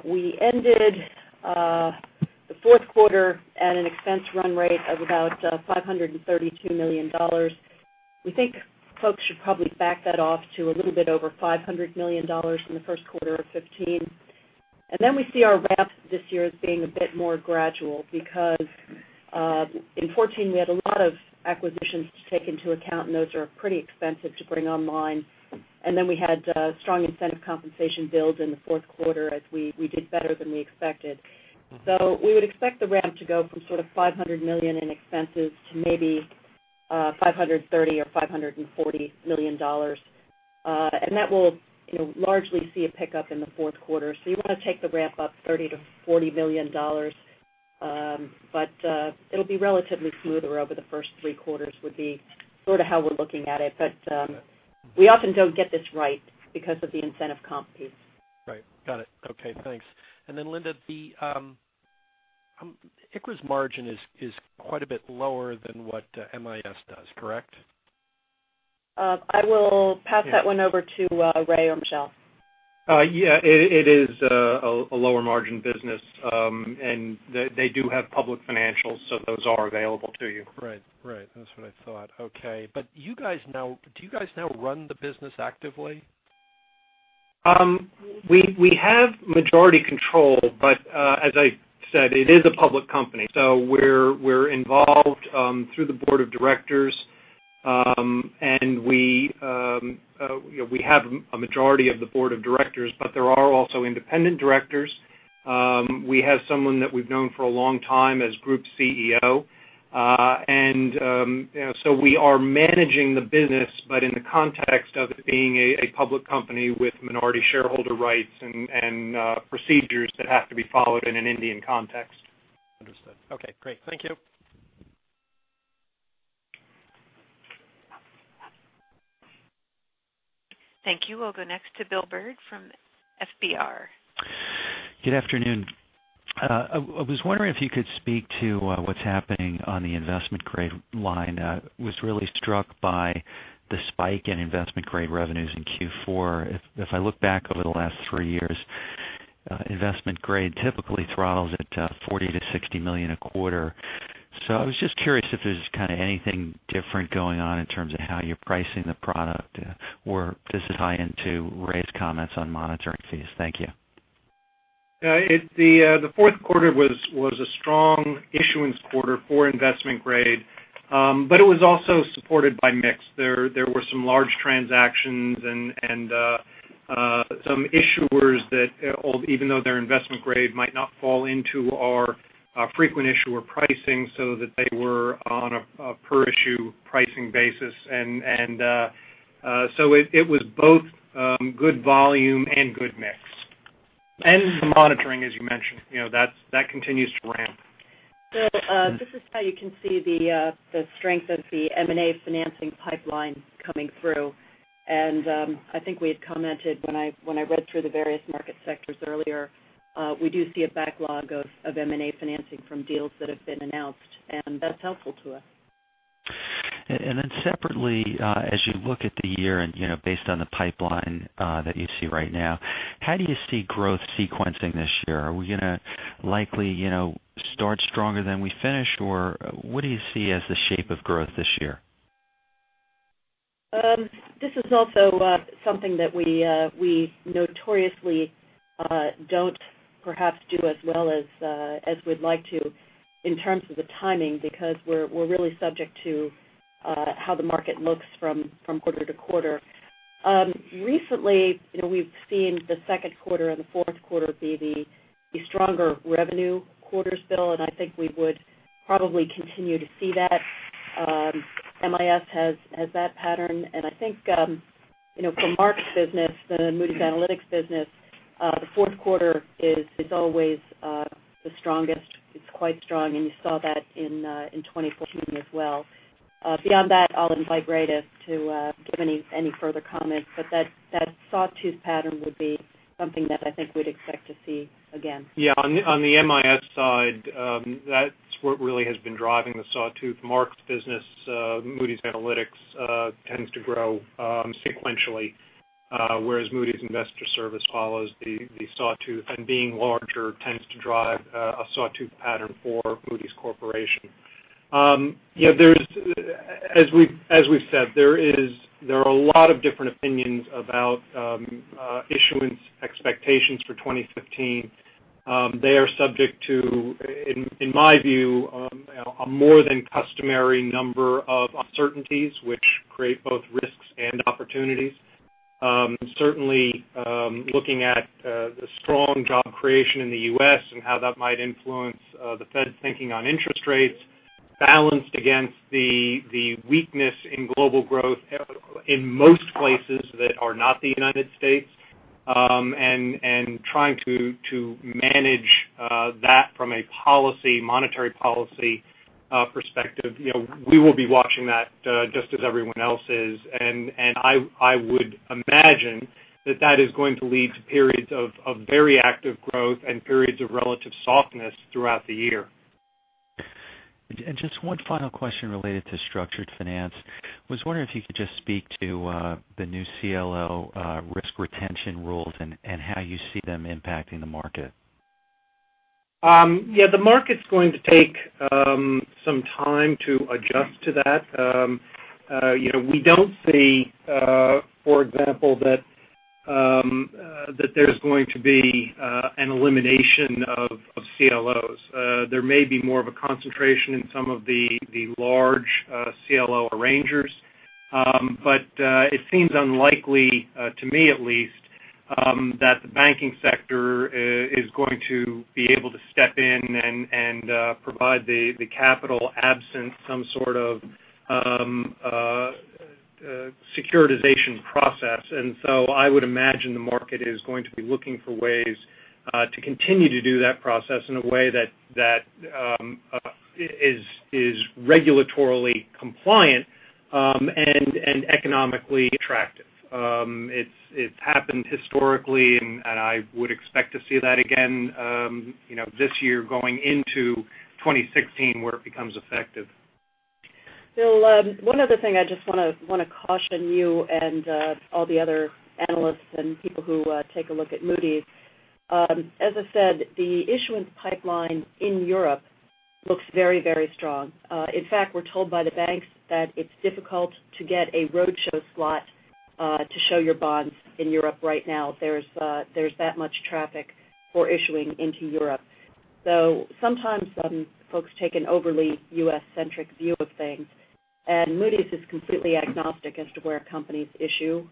Speaker 4: we ended the fourth quarter at an expense run rate of about $532 million. We think folks should probably back that off to a little bit over $500 million in the first quarter of 2015. We see our ramp this year as being a bit more gradual because in 2014 we had a lot of acquisitions to take into account. Those are pretty expensive to bring online. We had strong incentive compensation builds in the fourth quarter as we did better than we expected. We would expect the ramp to go from sort of $500 million in expenses to maybe $530 or $540 million. That will largely see a pickup in the fourth quarter. You want to take the ramp up $30 million-$40 million. It'll be relatively smoother over the first three quarters would be sort of how we're looking at it. We often don't get this right because of the incentive comp piece.
Speaker 12: Right. Got it. Okay, thanks. Then Linda, ICRA's margin is quite a bit lower than what MIS does, correct?
Speaker 4: I will pass that one over to Ray or Michel.
Speaker 3: Yeah. It is a lower margin business. They do have public financials, so those are available to you.
Speaker 12: Right. That's what I thought. Okay. Do you guys now run the business actively?
Speaker 3: We have majority control, but as I said, it is a public company, so we're involved through the board of directors. We have a majority of the board of directors, but there are also independent directors. We have someone that we've known for a long time as group CEO. We are managing the business, but in the context of it being a public company with minority shareholder rights and procedures that have to be followed in an Indian context.
Speaker 12: Understood. Okay, great. Thank you.
Speaker 1: Thank you. We'll go next to Bill Bird from FBR.
Speaker 13: Good afternoon. I was wondering if you could speak to what's happening on the investment grade line. I was really struck by the spike in investment grade revenues in Q4. If I look back over the last three years, investment grade typically throttles at $40 million to $60 million a quarter. I was just curious if there's kind of anything different going on in terms of how you're pricing the product, or if this is tie-in to Ray's comments on monitoring fees. Thank you.
Speaker 3: The fourth quarter was a strong issuance quarter for investment grade. It was also supported by mix. There were some large transactions and some issuers that even though their investment grade might not fall into our frequent issuer pricing so that they were on a per issue pricing basis. It was both good volume and good mix. The monitoring, as you mentioned, that continues to ramp.
Speaker 4: Bill, this is how you can see the strength of the M&A financing pipeline coming through. I think we had commented when I read through the various market sectors earlier we do see a backlog of M&A financing from deals that have been announced, and that's helpful to us.
Speaker 13: Separately, as you look at the year and based on the pipeline that you see right now, how do you see growth sequencing this year? Are we going to likely start stronger than we finish? What do you see as the shape of growth this year?
Speaker 4: This is also something that we notoriously don't perhaps do as well as we'd like to in terms of the timing, because we're really subject to how the market looks from quarter to quarter. Recently, we've seen the second quarter and the fourth quarter be the stronger revenue quarters, Bill. I think we would probably continue to see that. MIS has that pattern. I think for Mark's business, the Moody's Analytics business, the fourth quarter is always the strongest. It's quite strong, and you saw that in 2014 as well. Beyond that, I'll invite Greta to give any further comments. That sawtooth pattern would be something that I think we'd expect to see again.
Speaker 3: Yeah. On the MIS side, that's what really has been driving the sawtooth. Mark's business, Moody's Analytics, tends to grow sequentially, whereas Moody's Investors Service follows the sawtooth, and being larger tends to drive a sawtooth pattern for Moody's Corporation. We've said, there are a lot of different opinions about issuance expectations for 2015. They are subject to, in my view, a more than customary number of uncertainties, which create both risks and opportunities. Certainly, looking at the strong job creation in the U.S. and how that might influence the Fed's thinking on interest rates balanced against the weakness in global growth in most places that are not the United States, and trying to manage that from a monetary policy perspective. We will be watching that, just as everyone else is. I would imagine that that is going to lead to periods of very active growth and periods of relative softness throughout the year.
Speaker 13: Just one final question related to structured finance. Was wondering if you could just speak to the new CLO risk retention rules and how you see them impacting the market.
Speaker 3: Yeah, the market's going to take some time to adjust to that. We don't see, for example, that there's going to be an elimination of CLOs. There may be more of a concentration in some of the large CLO arrangers. It seems unlikely, to me at least, that the banking sector is going to be able to step in and provide the capital absent some sort of securitization process. I would imagine the market is going to be looking for ways to continue to do that process in a way that is regulatorily compliant and economically attractive. It's happened historically, and I would expect to see that again this year going into 2016, where it becomes effective.
Speaker 4: Bill, one other thing I just want to caution you and all the other analysts and people who take a look at Moody's. As I said, the issuance pipeline in Europe looks very strong. In fact, we're told by the banks that it's difficult to get a roadshow slot to show your bonds in Europe right now. There's that much traffic for issuing into Europe. Sometimes some folks take an overly U.S.-centric view of things, Moody's is completely agnostic as to where companies issue.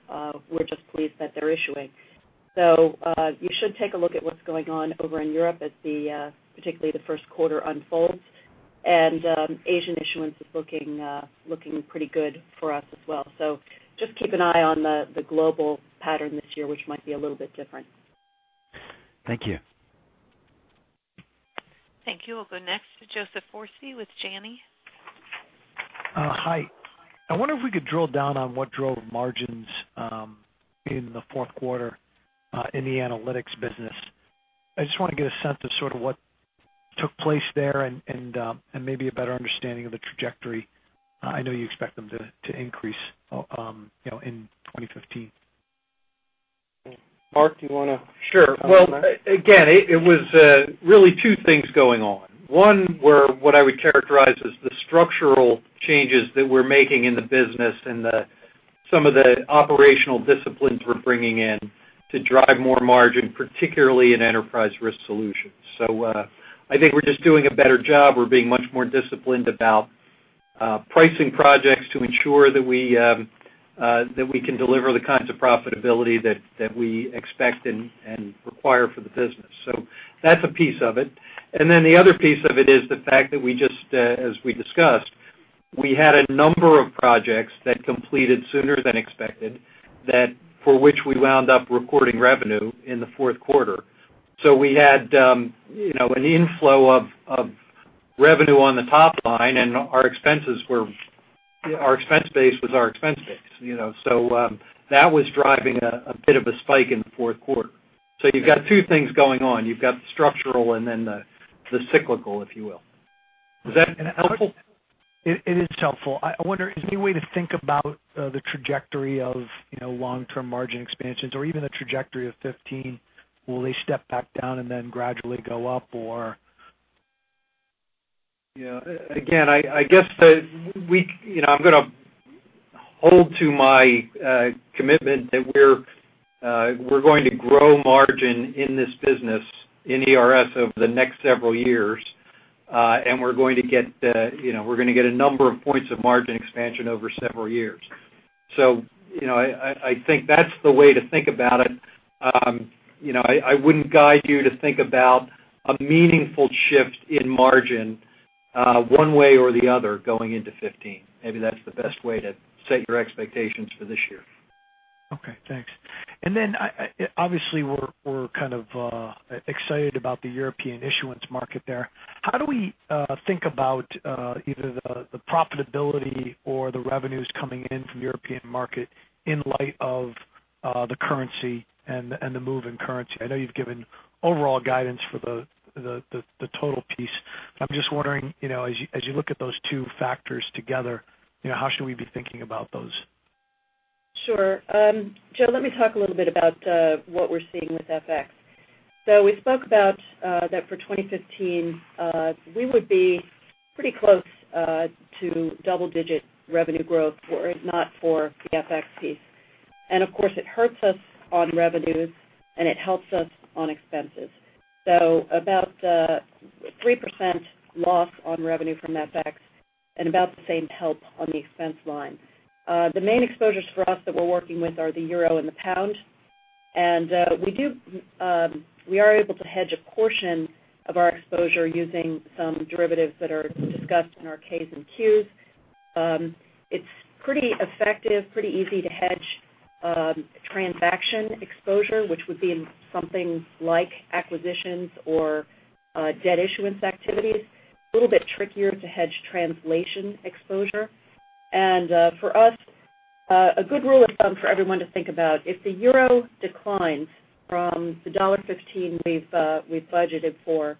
Speaker 4: We're just pleased that they're issuing. You should take a look at what's going on over in Europe as particularly the first quarter unfolds. Asian issuance is looking pretty good for us as well. Just keep an eye on the global pattern this year, which might be a little bit different.
Speaker 13: Thank you.
Speaker 1: Thank you. We'll go next to Joseph Foresi with Janney.
Speaker 14: Hi. I wonder if we could drill down on what drove margins in the fourth quarter in the Moody's Analytics business. I just want to get a sense of sort of what took place there and maybe a better understanding of the trajectory. I know you expect them to increase in 2015.
Speaker 3: Mark, do you want to-
Speaker 6: Sure. Well, again, it was really two things going on. One were what I would characterize as the structural changes that we're making in the business and some of the operational disciplines we're bringing in to drive more margin, particularly in Enterprise Risk Solutions. I think we're just doing a better job. We're being much more disciplined about pricing projects to ensure that we can deliver the kinds of profitability that we expect and require for the business. That's a piece of it. The other piece of it is the fact that we just, as we discussed, we had a number of projects that completed sooner than expected, for which we wound up recording revenue in the fourth quarter. We had an inflow of revenue on the top line and our expense base was our expense base. That was driving a bit of a spike in the fourth quarter.
Speaker 3: You've got two things going on. You've got the structural and then the cyclical, if you will. Is that helpful?
Speaker 14: It is helpful. I wonder, is there any way to think about the trajectory of long-term margin expansions or even the trajectory of 2015? Will they step back down and then gradually go up or
Speaker 3: Again, I guess I'm going to hold to my commitment that we're going to grow margin in this business in ERS over the next several years. We're going to get a number of points of margin expansion over several years. I think that's the way to think about it. I wouldn't guide you to think about a meaningful shift in margin one way or the other going into 2015. Maybe that's the best way to set your expectations for this year.
Speaker 14: Okay, thanks. Obviously we're kind of excited about the European issuance market there. How do we think about either the profitability or the revenues coming in from the European market in light of the currency and the move in currency? I know you've given overall guidance for the total piece. I'm just wondering, as you look at those two factors together, how should we be thinking about those?
Speaker 4: Sure. Joe, let me talk a little bit about what we're seeing with FX. We spoke about that for 2015, we would be pretty close to double-digit revenue growth were it not for the FX piece. Of course, it hurts us on revenues and it helps us on expenses. About 3% loss on revenue from FX and about the same help on the expense line. The main exposures for us that we're working with are the euro and the pound. We are able to hedge a portion of our exposure using some derivatives that are discussed in our K's and Q's. It's pretty effective, pretty easy to hedge transaction exposure, which would be in something like acquisitions or debt issuance activities. A little bit trickier to hedge translation exposure. For us, a good rule of thumb for everyone to think about, if the euro declines from the $1.15 we've budgeted for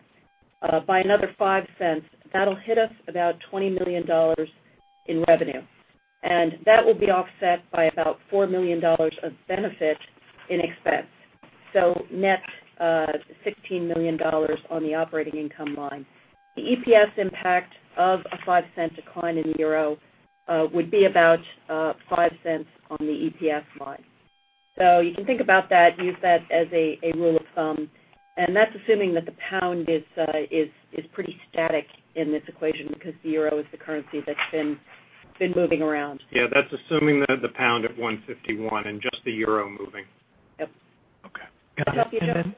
Speaker 4: by another $0.05, that'll hit us about $20 million in revenue, and that will be offset by about $4 million of benefit in expense. Net $16 million on the operating income line. The EPS impact of a $0.05 decline in the euro would be about $0.05 on the EPS line. You can think about that, use that as a rule of thumb, and that's assuming that the pound is pretty static in this equation because the euro is the currency that's been moving around.
Speaker 3: Yeah, that's assuming the pound at $1.51 and just the euro moving.
Speaker 4: Yep.
Speaker 3: Okay.
Speaker 4: Does that help you, Joe?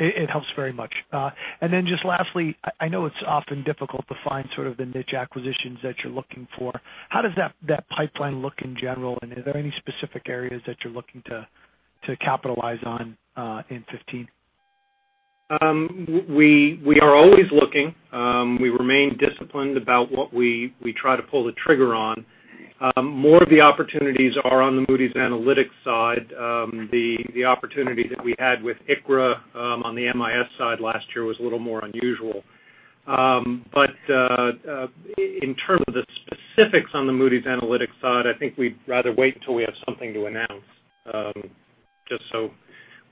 Speaker 14: It helps very much. Just lastly, I know it's often difficult to find sort of the niche acquisitions that you're looking for. How does that pipeline look in general, and are there any specific areas that you're looking to capitalize on in 2015?
Speaker 3: We are always looking. We remain disciplined about what we try to pull the trigger on. More of the opportunities are on the Moody's Analytics side. The opportunity that we had with ICRA on the MIS side last year was a little more unusual. In terms of the specifics on the Moody's Analytics side, I think we'd rather wait until we have something to announce. Just so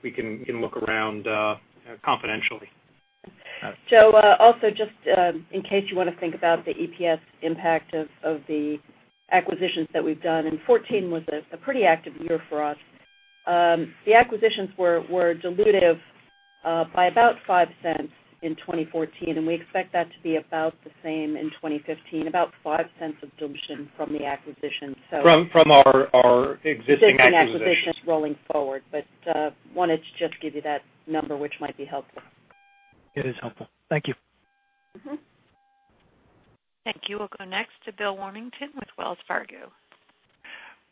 Speaker 3: we can look around confidentially.
Speaker 4: Joe, also just in case you want to think about the EPS impact of the acquisitions that we've done, and 2014 was a pretty active year for us. The acquisitions were dilutive by about $0.05 in 2014, and we expect that to be about the same in 2015, about $0.05 of dilution from the acquisitions.
Speaker 3: From our existing acquisitions.
Speaker 4: Existing acquisitions rolling forward. Wanted to just give you that number, which might be helpful.
Speaker 14: It is helpful. Thank you.
Speaker 1: Thank you. We'll go next to Bill Warmington with Wells Fargo.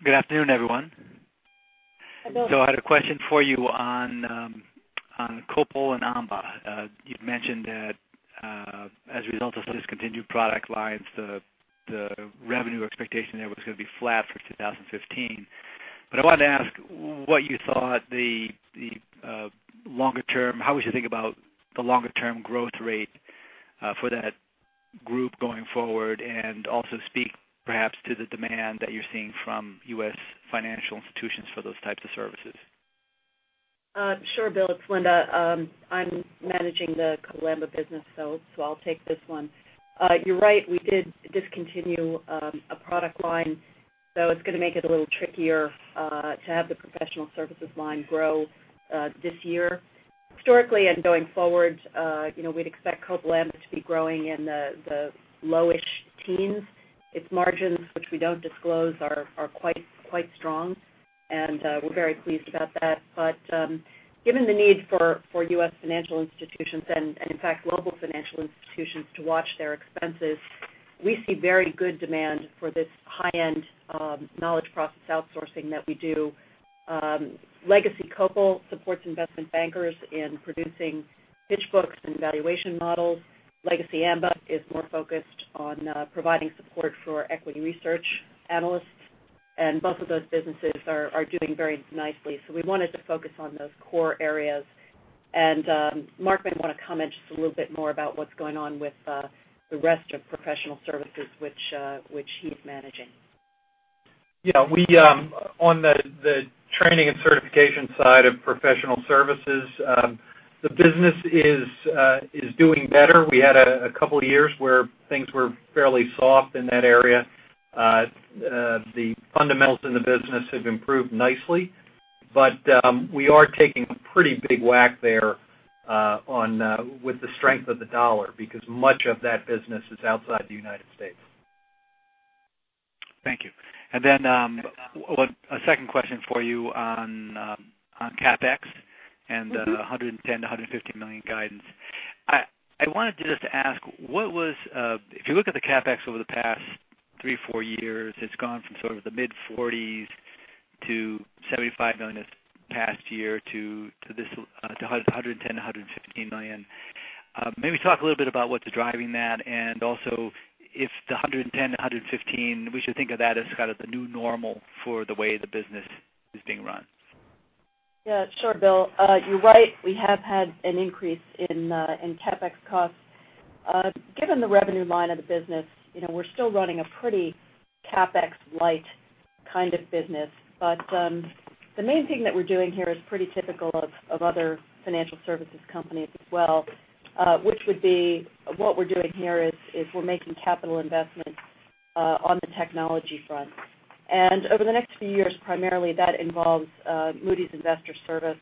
Speaker 15: Good afternoon, everyone.
Speaker 4: Hello.
Speaker 15: I had a question for you on Copal and Amba. You've mentioned that as a result of discontinued product lines, the revenue expectation there was going to be flat for 2015. I wanted to ask what you thought the longer term, how we should think about the longer-term growth rate for that group going forward, and also speak perhaps to the demand that you're seeing from U.S. financial institutions for those types of services.
Speaker 4: Sure. Bill, it's Linda. I'm managing the Copal Amba business, I'll take this one. You're right, we did discontinue a product line, it's going to make it a little trickier to have the professional services line grow this year. Historically and going forward we'd expect Copal Amba to be growing in the lowish teens. Its margins, which we don't disclose, are quite strong, and we're very pleased about that. Given the need for U.S. financial institutions and in fact, global financial institutions to watch their expenses, we see very good demand for this high-end knowledge process outsourcing that we do. Legacy Copal supports investment bankers in producing pitch books and valuation models. Legacy Amba is more focused on providing support for equity research analysts. Both of those businesses are doing very nicely. We wanted to focus on those core areas. Mark might want to comment just a little bit more about what's going on with the rest of professional services, which he's managing.
Speaker 6: Yeah. On the training and certification side of professional services, the business is doing better. We had a couple of years where things were fairly soft in that area. The fundamentals in the business have improved nicely. We are taking a pretty big whack there with the strength of the dollar, because much of that business is outside the United States.
Speaker 15: Thank you. A second question for you on CapEx and the $110 million-$150 million guidance. I wanted to just ask, if you look at the CapEx over the past three, four years, it's gone from sort of the mid-40s to $75 million this past year to $110 million-$150 million. Maybe talk a little bit about what's driving that, and also if the $110 million-$115 million, we should think of that as kind of the new normal for the way the business is being run.
Speaker 4: Yeah, sure, Bill. You're right, we have had an increase in CapEx costs. Given the revenue line of the business, we're still running a pretty CapEx-light kind of business. The main thing that we're doing here is pretty typical of other financial services companies as well, which would be what we're doing here is we're making capital investments on the technology front. Over the next few years, primarily that involves Moody's Investors Service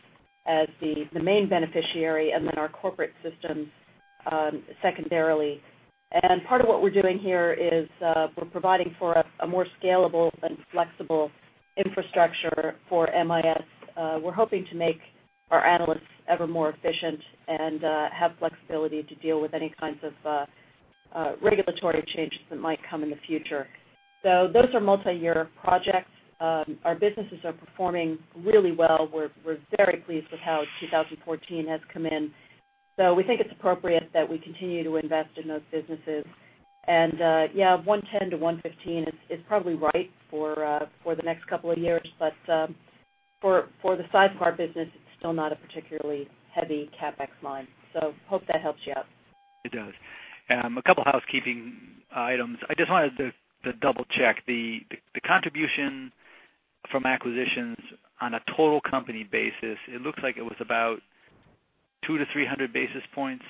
Speaker 4: as the main beneficiary, and then our corporate systems secondarily. Part of what we're doing here is we're providing for a more scalable and flexible infrastructure for MIS. We're hoping to make our analysts ever more efficient and have flexibility to deal with any kinds of regulatory changes that might come in the future. Those are multi-year projects. Our businesses are performing really well. We're very pleased with how 2014 has come in. We think it's appropriate that we continue to invest in those businesses. Yeah, $110 million-$115 million is probably right for the next couple of years. For the size of our business, it's still not a particularly heavy CapEx line. Hope that helps you out.
Speaker 15: It does. A couple housekeeping items. I just wanted to double-check. The contribution from acquisitions on a total company basis, it looks like it was about 2-300 basis points.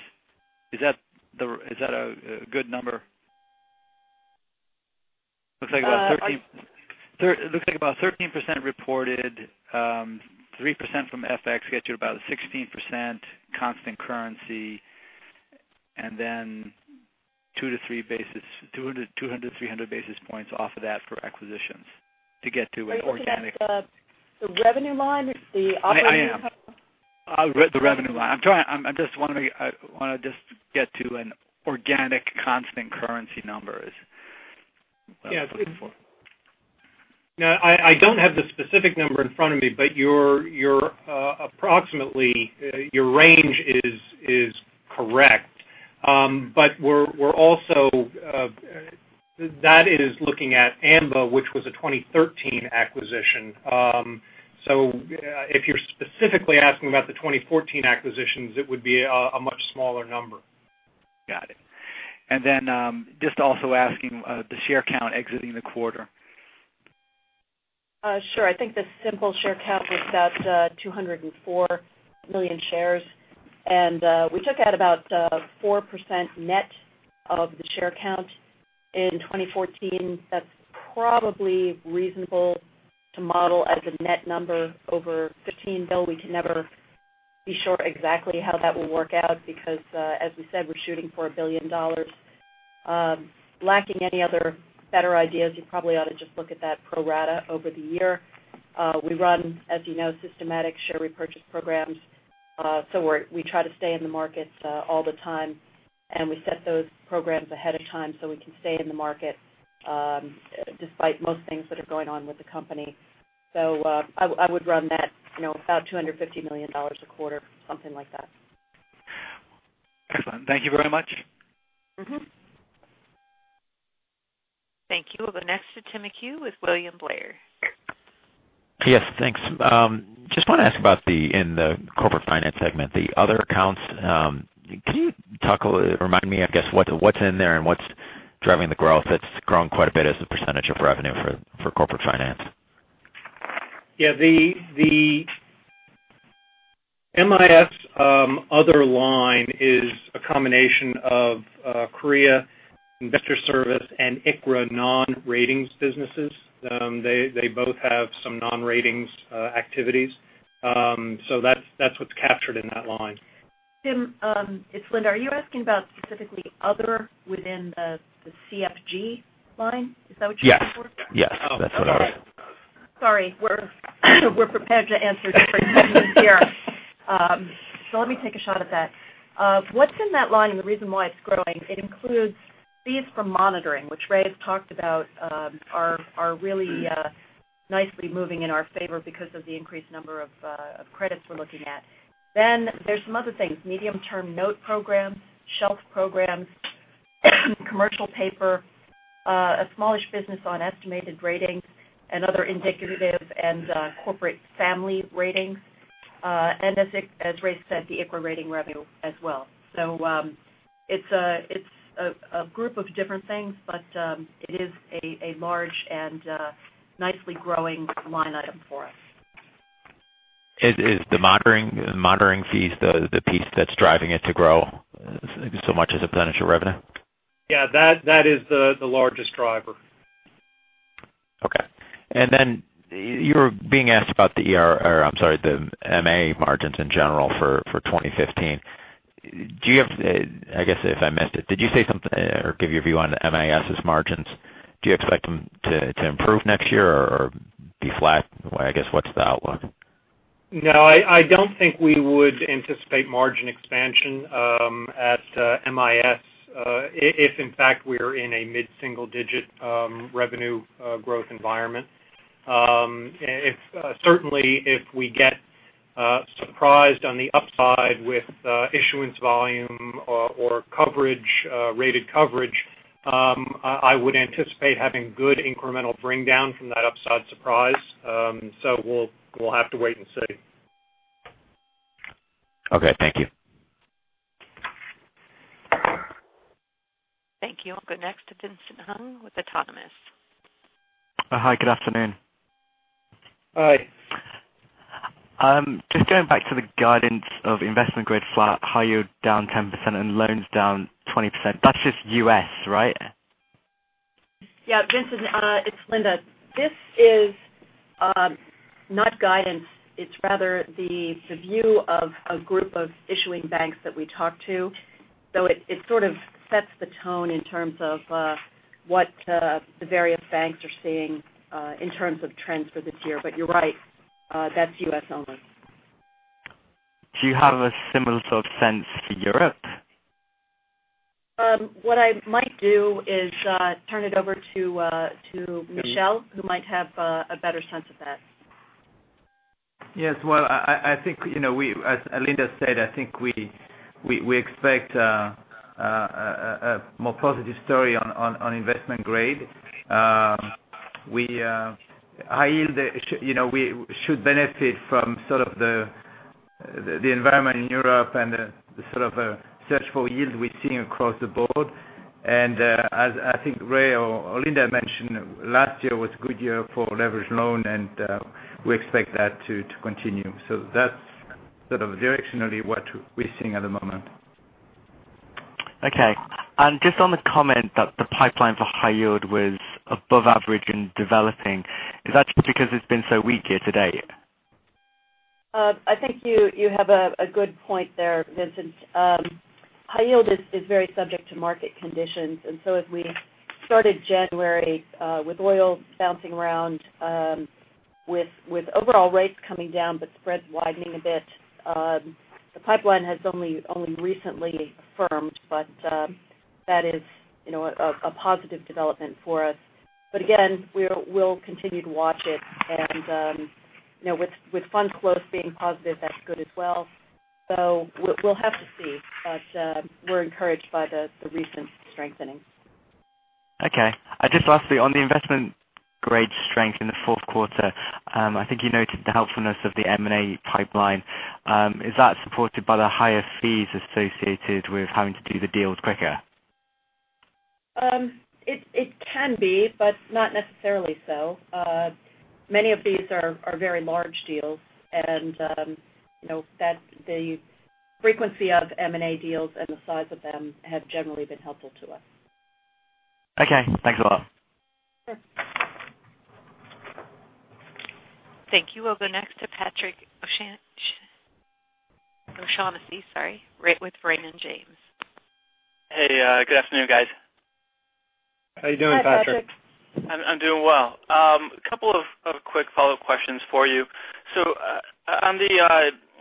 Speaker 15: Is that a good number? Looks like about 13% reported, 3% from FX get you to about 16% constant currency, 2-300 basis points off of that for acquisitions to get to an organic-
Speaker 4: Are you looking at the revenue line or the operating income?
Speaker 15: I am. The revenue line. I want to just get to an organic constant currency numbers.
Speaker 3: Yeah. I don't have the specific number in front of me, approximately, your range is correct. That is looking at Amba, which was a 2013 acquisition. If you're specifically asking about the 2014 acquisitions, it would be a much smaller number.
Speaker 15: Got it. Just also asking the share count exiting the quarter.
Speaker 4: Sure. I think the simple share count was about 204 million shares. We took out about 4% net of the share count in 2014. That's probably reasonable to model as a net number over 2015, though we can never be sure exactly how that will work out because as we said, we're shooting for $1 billion. Lacking any other better ideas, you probably ought to just look at that pro rata over the year. We run, as you know, systematic share repurchase programs. We try to stay in the markets all the time, and we set those programs ahead of time so we can stay in the market despite most things that are going on with the company. I would run that about $250 million a quarter, something like that.
Speaker 15: Excellent. Thank you very much.
Speaker 1: Thank you. The next to Tim McHugh with William Blair.
Speaker 16: Yes, thanks. Just want to ask about in the Corporate Finance segment, the other accounts. Can you remind me, I guess, what's in there and what's driving the growth that's grown quite a bit as a % of revenue for Corporate Finance?
Speaker 3: Yeah. The MIS other line is a combination of Korea Investors Service and ICRA non-ratings businesses. They both have some non-ratings activities. That's what's captured in that line.
Speaker 4: Tim, it's Linda. Are you asking about specifically other within the CFG line? Is that what you're asking for?
Speaker 16: Yes. That's what I was.
Speaker 4: Sorry. We're prepared to answer differently here. Let me take a shot at that. What's in that line and the reason why it's growing, it includes fees from monitoring, which Ray has talked about are really nicely moving in our favor because of the increased number of credits we're looking at. There's some other things. Medium-term note programs, shelf programs, commercial paper, a smallish business on estimated ratings and other indicative and corporate family ratings. As Ray said, the ICRA rating revenue as well. It's a group of different things, but it is a large and nicely growing line item for us.
Speaker 16: Is the monitoring fees the piece that's driving it to grow so much as a percentage of revenue?
Speaker 3: Yeah, that is the largest driver.
Speaker 16: Okay. You were being asked about the MA margins in general for 2015. I guess if I missed it, did you say something or give your view on MIS' margins? Do you expect them to improve next year or be flat? I guess, what's the outlook?
Speaker 3: No, I don't think we would anticipate margin expansion at MIS, if in fact we're in a mid-single-digit revenue growth environment. Certainly, if we get surprised on the upside with issuance volume or rated coverage, I would anticipate having good incremental bring down from that upside surprise. We'll have to wait and see.
Speaker 16: Okay. Thank you.
Speaker 1: Thank you. I'll go next to Vincent Hung with Autonomous.
Speaker 17: Hi, good afternoon.
Speaker 3: Hi.
Speaker 17: Just going back to the guidance of investment grade flat, high yield down 10% and loans down 20%, that's just U.S., right?
Speaker 4: Yeah. Vincent, it's Linda. This is not guidance. It's rather the view of a group of issuing banks that we talk to. It sort of sets the tone in terms of what the various banks are seeing in terms of trends for this year. You're right, that's U.S. only.
Speaker 17: Do you have a similar sort of sense for Europe?
Speaker 4: What I might do is turn it over to Michel, who might have a better sense of that.
Speaker 8: Yes. Well, I think as Linda said, I think we expect a more positive story on investment grade. High yield, we should benefit from sort of the environment in Europe and the sort of search for yield we're seeing across the board. As I think Ray or Linda mentioned, last year was a good year for leveraged loan, and we expect that to continue. That's sort of directionally what we're seeing at the moment.
Speaker 17: Okay. Just on the comment that the pipeline for high yield was above average in developing, is that just because it's been so weak year-to-date?
Speaker 4: I think you have a good point there, Vincent. High yield is very subject to market conditions. As we started January with oil bouncing around, with overall rates coming down but spreads widening a bit, the pipeline has only recently firmed, that is a positive development for us. Again, we'll continue to watch it and with fund flows being positive, that's good as well. We'll have to see. We're encouraged by the recent strengthening.
Speaker 17: Okay. Just lastly, on the investment grade strength in the fourth quarter, I think you noted the helpfulness of the M&A pipeline. Is that supported by the higher fees associated with having to do the deals quicker?
Speaker 4: It can be, but not necessarily so. Many of these are very large deals and the frequency of M&A deals and the size of them have generally been helpful to us.
Speaker 17: Okay. Thanks a lot.
Speaker 4: Sure.
Speaker 1: Thank you. We'll go next to Patrick O'Shaughnessy with Raymond James.
Speaker 18: Hey, good afternoon, guys.
Speaker 3: How you doing, Patrick?
Speaker 4: Hi, Patrick.
Speaker 18: I'm doing well. Couple of quick follow-up questions for you.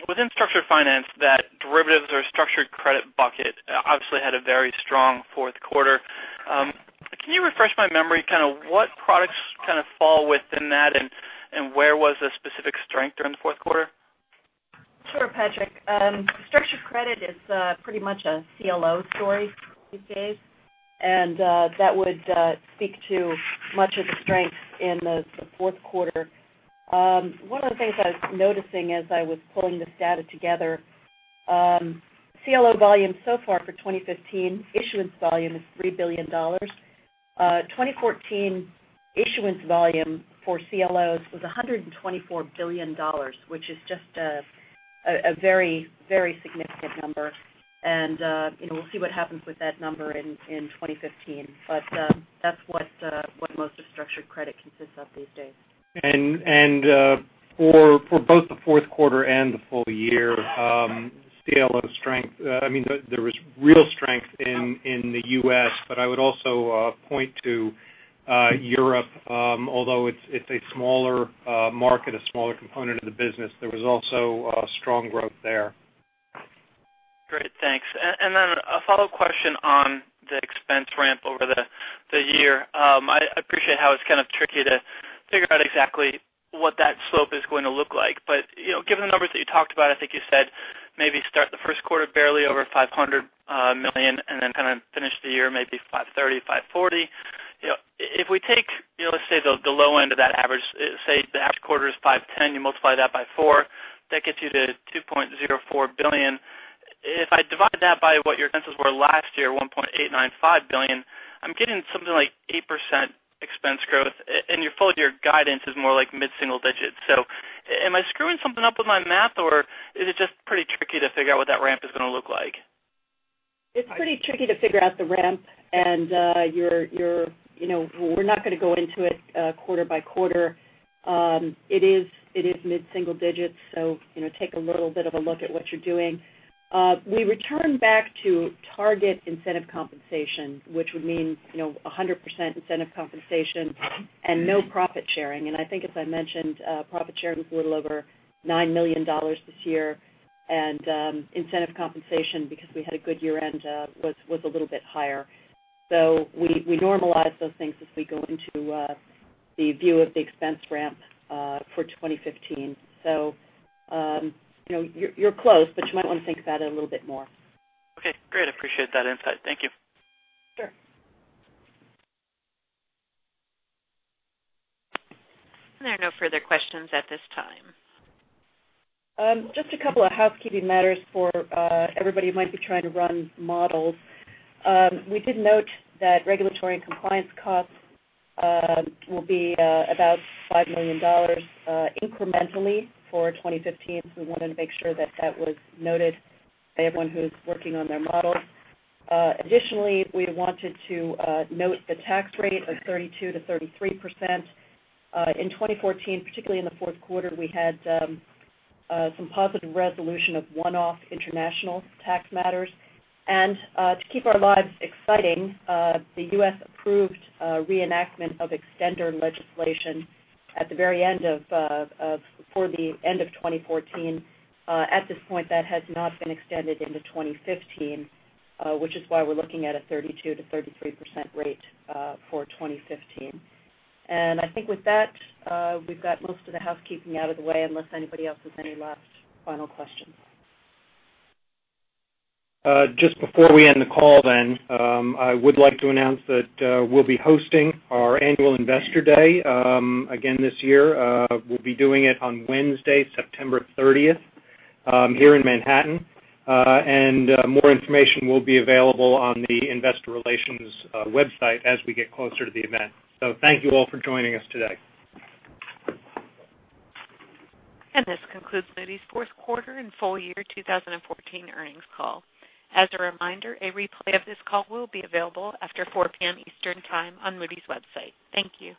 Speaker 18: Within structured finance, that derivatives or structured credit bucket obviously had a very strong fourth quarter. Can you refresh my memory kind of what products kind of fall within that and where was the specific strength during the fourth quarter?
Speaker 4: Sure, Patrick. Structured credit is pretty much a CLO story these days, and that would speak to much of the strength in the fourth quarter. One of the things I was noticing as I was pulling this data together, CLO volume so far for 2015 issuance volume is $3 billion. 2014 issuance volume for CLOs was $124 billion, which is just a very significant number. We'll see what happens with that number in 2015. That's what most of structured credit consists of these days.
Speaker 3: For both the fourth quarter and the full year CLO strength, there was real strength in the U.S., I would also point to Europe. Although it's a smaller market, a smaller component of the business, there was also strong growth there.
Speaker 18: Great. Thanks. Then a follow-up question on the expense ramp over the year. I appreciate how it's kind of tricky to figure out exactly what that slope is going to look like. Given the numbers that you talked about, I think you said maybe start the first quarter barely over $500 million, then kind of finish the year, maybe $530 million, $540 million. If we take, let's say, the low end of that average, say the average quarter is $510 million, you multiply that by four, that gets you to $2.04 billion. If I divide that by what your expenses were last year, $1.895 billion, I'm getting something like 8% expense growth, and your full-year guidance is more like mid-single digits. Am I screwing something up with my math, or is it just pretty tricky to figure out what that ramp is going to look like?
Speaker 4: It's pretty tricky to figure out the ramp, we're not going to go into it quarter by quarter. It is mid-single digits, take a little bit of a look at what you're doing. We return back to target incentive compensation, which would mean 100% incentive compensation and no profit sharing. I think as I mentioned, profit sharing was a little over $9 million this year, incentive compensation, because we had a good year-end, was a little bit higher. We normalize those things as we go into the view of the expense ramp for 2015. You're close, you might want to think about it a little bit more.
Speaker 18: Okay, great. I appreciate that insight. Thank you.
Speaker 4: Sure.
Speaker 1: There are no further questions at this time.
Speaker 4: Just a couple of housekeeping matters for everybody who might be trying to run models. We did note that regulatory and compliance costs will be about $5 million incrementally for 2015. We wanted to make sure that that was noted by everyone who's working on their models. Additionally, we wanted to note the tax rate of 32%-33%. In 2014, particularly in the fourth quarter, we had some positive resolution of one-off international tax matters. To keep our lives exciting, the U.S. approved a reenactment of extender legislation at the very end of 2014. At this point, that has not been extended into 2015, which is why we're looking at a 32%-33% rate for 2015. I think with that, we've got most of the housekeeping out of the way, unless anybody else has any last final questions.
Speaker 3: Just before we end the call, I would like to announce that we'll be hosting our annual Investor Day again this year. We'll be doing it on Wednesday, September 30th here in Manhattan. More information will be available on the investor relations website as we get closer to the event. Thank you all for joining us today.
Speaker 1: This concludes Moody's fourth quarter and full year 2014 earnings call. As a reminder, a replay of this call will be available after 4:00 P.M. Eastern Time on Moody's website. Thank you.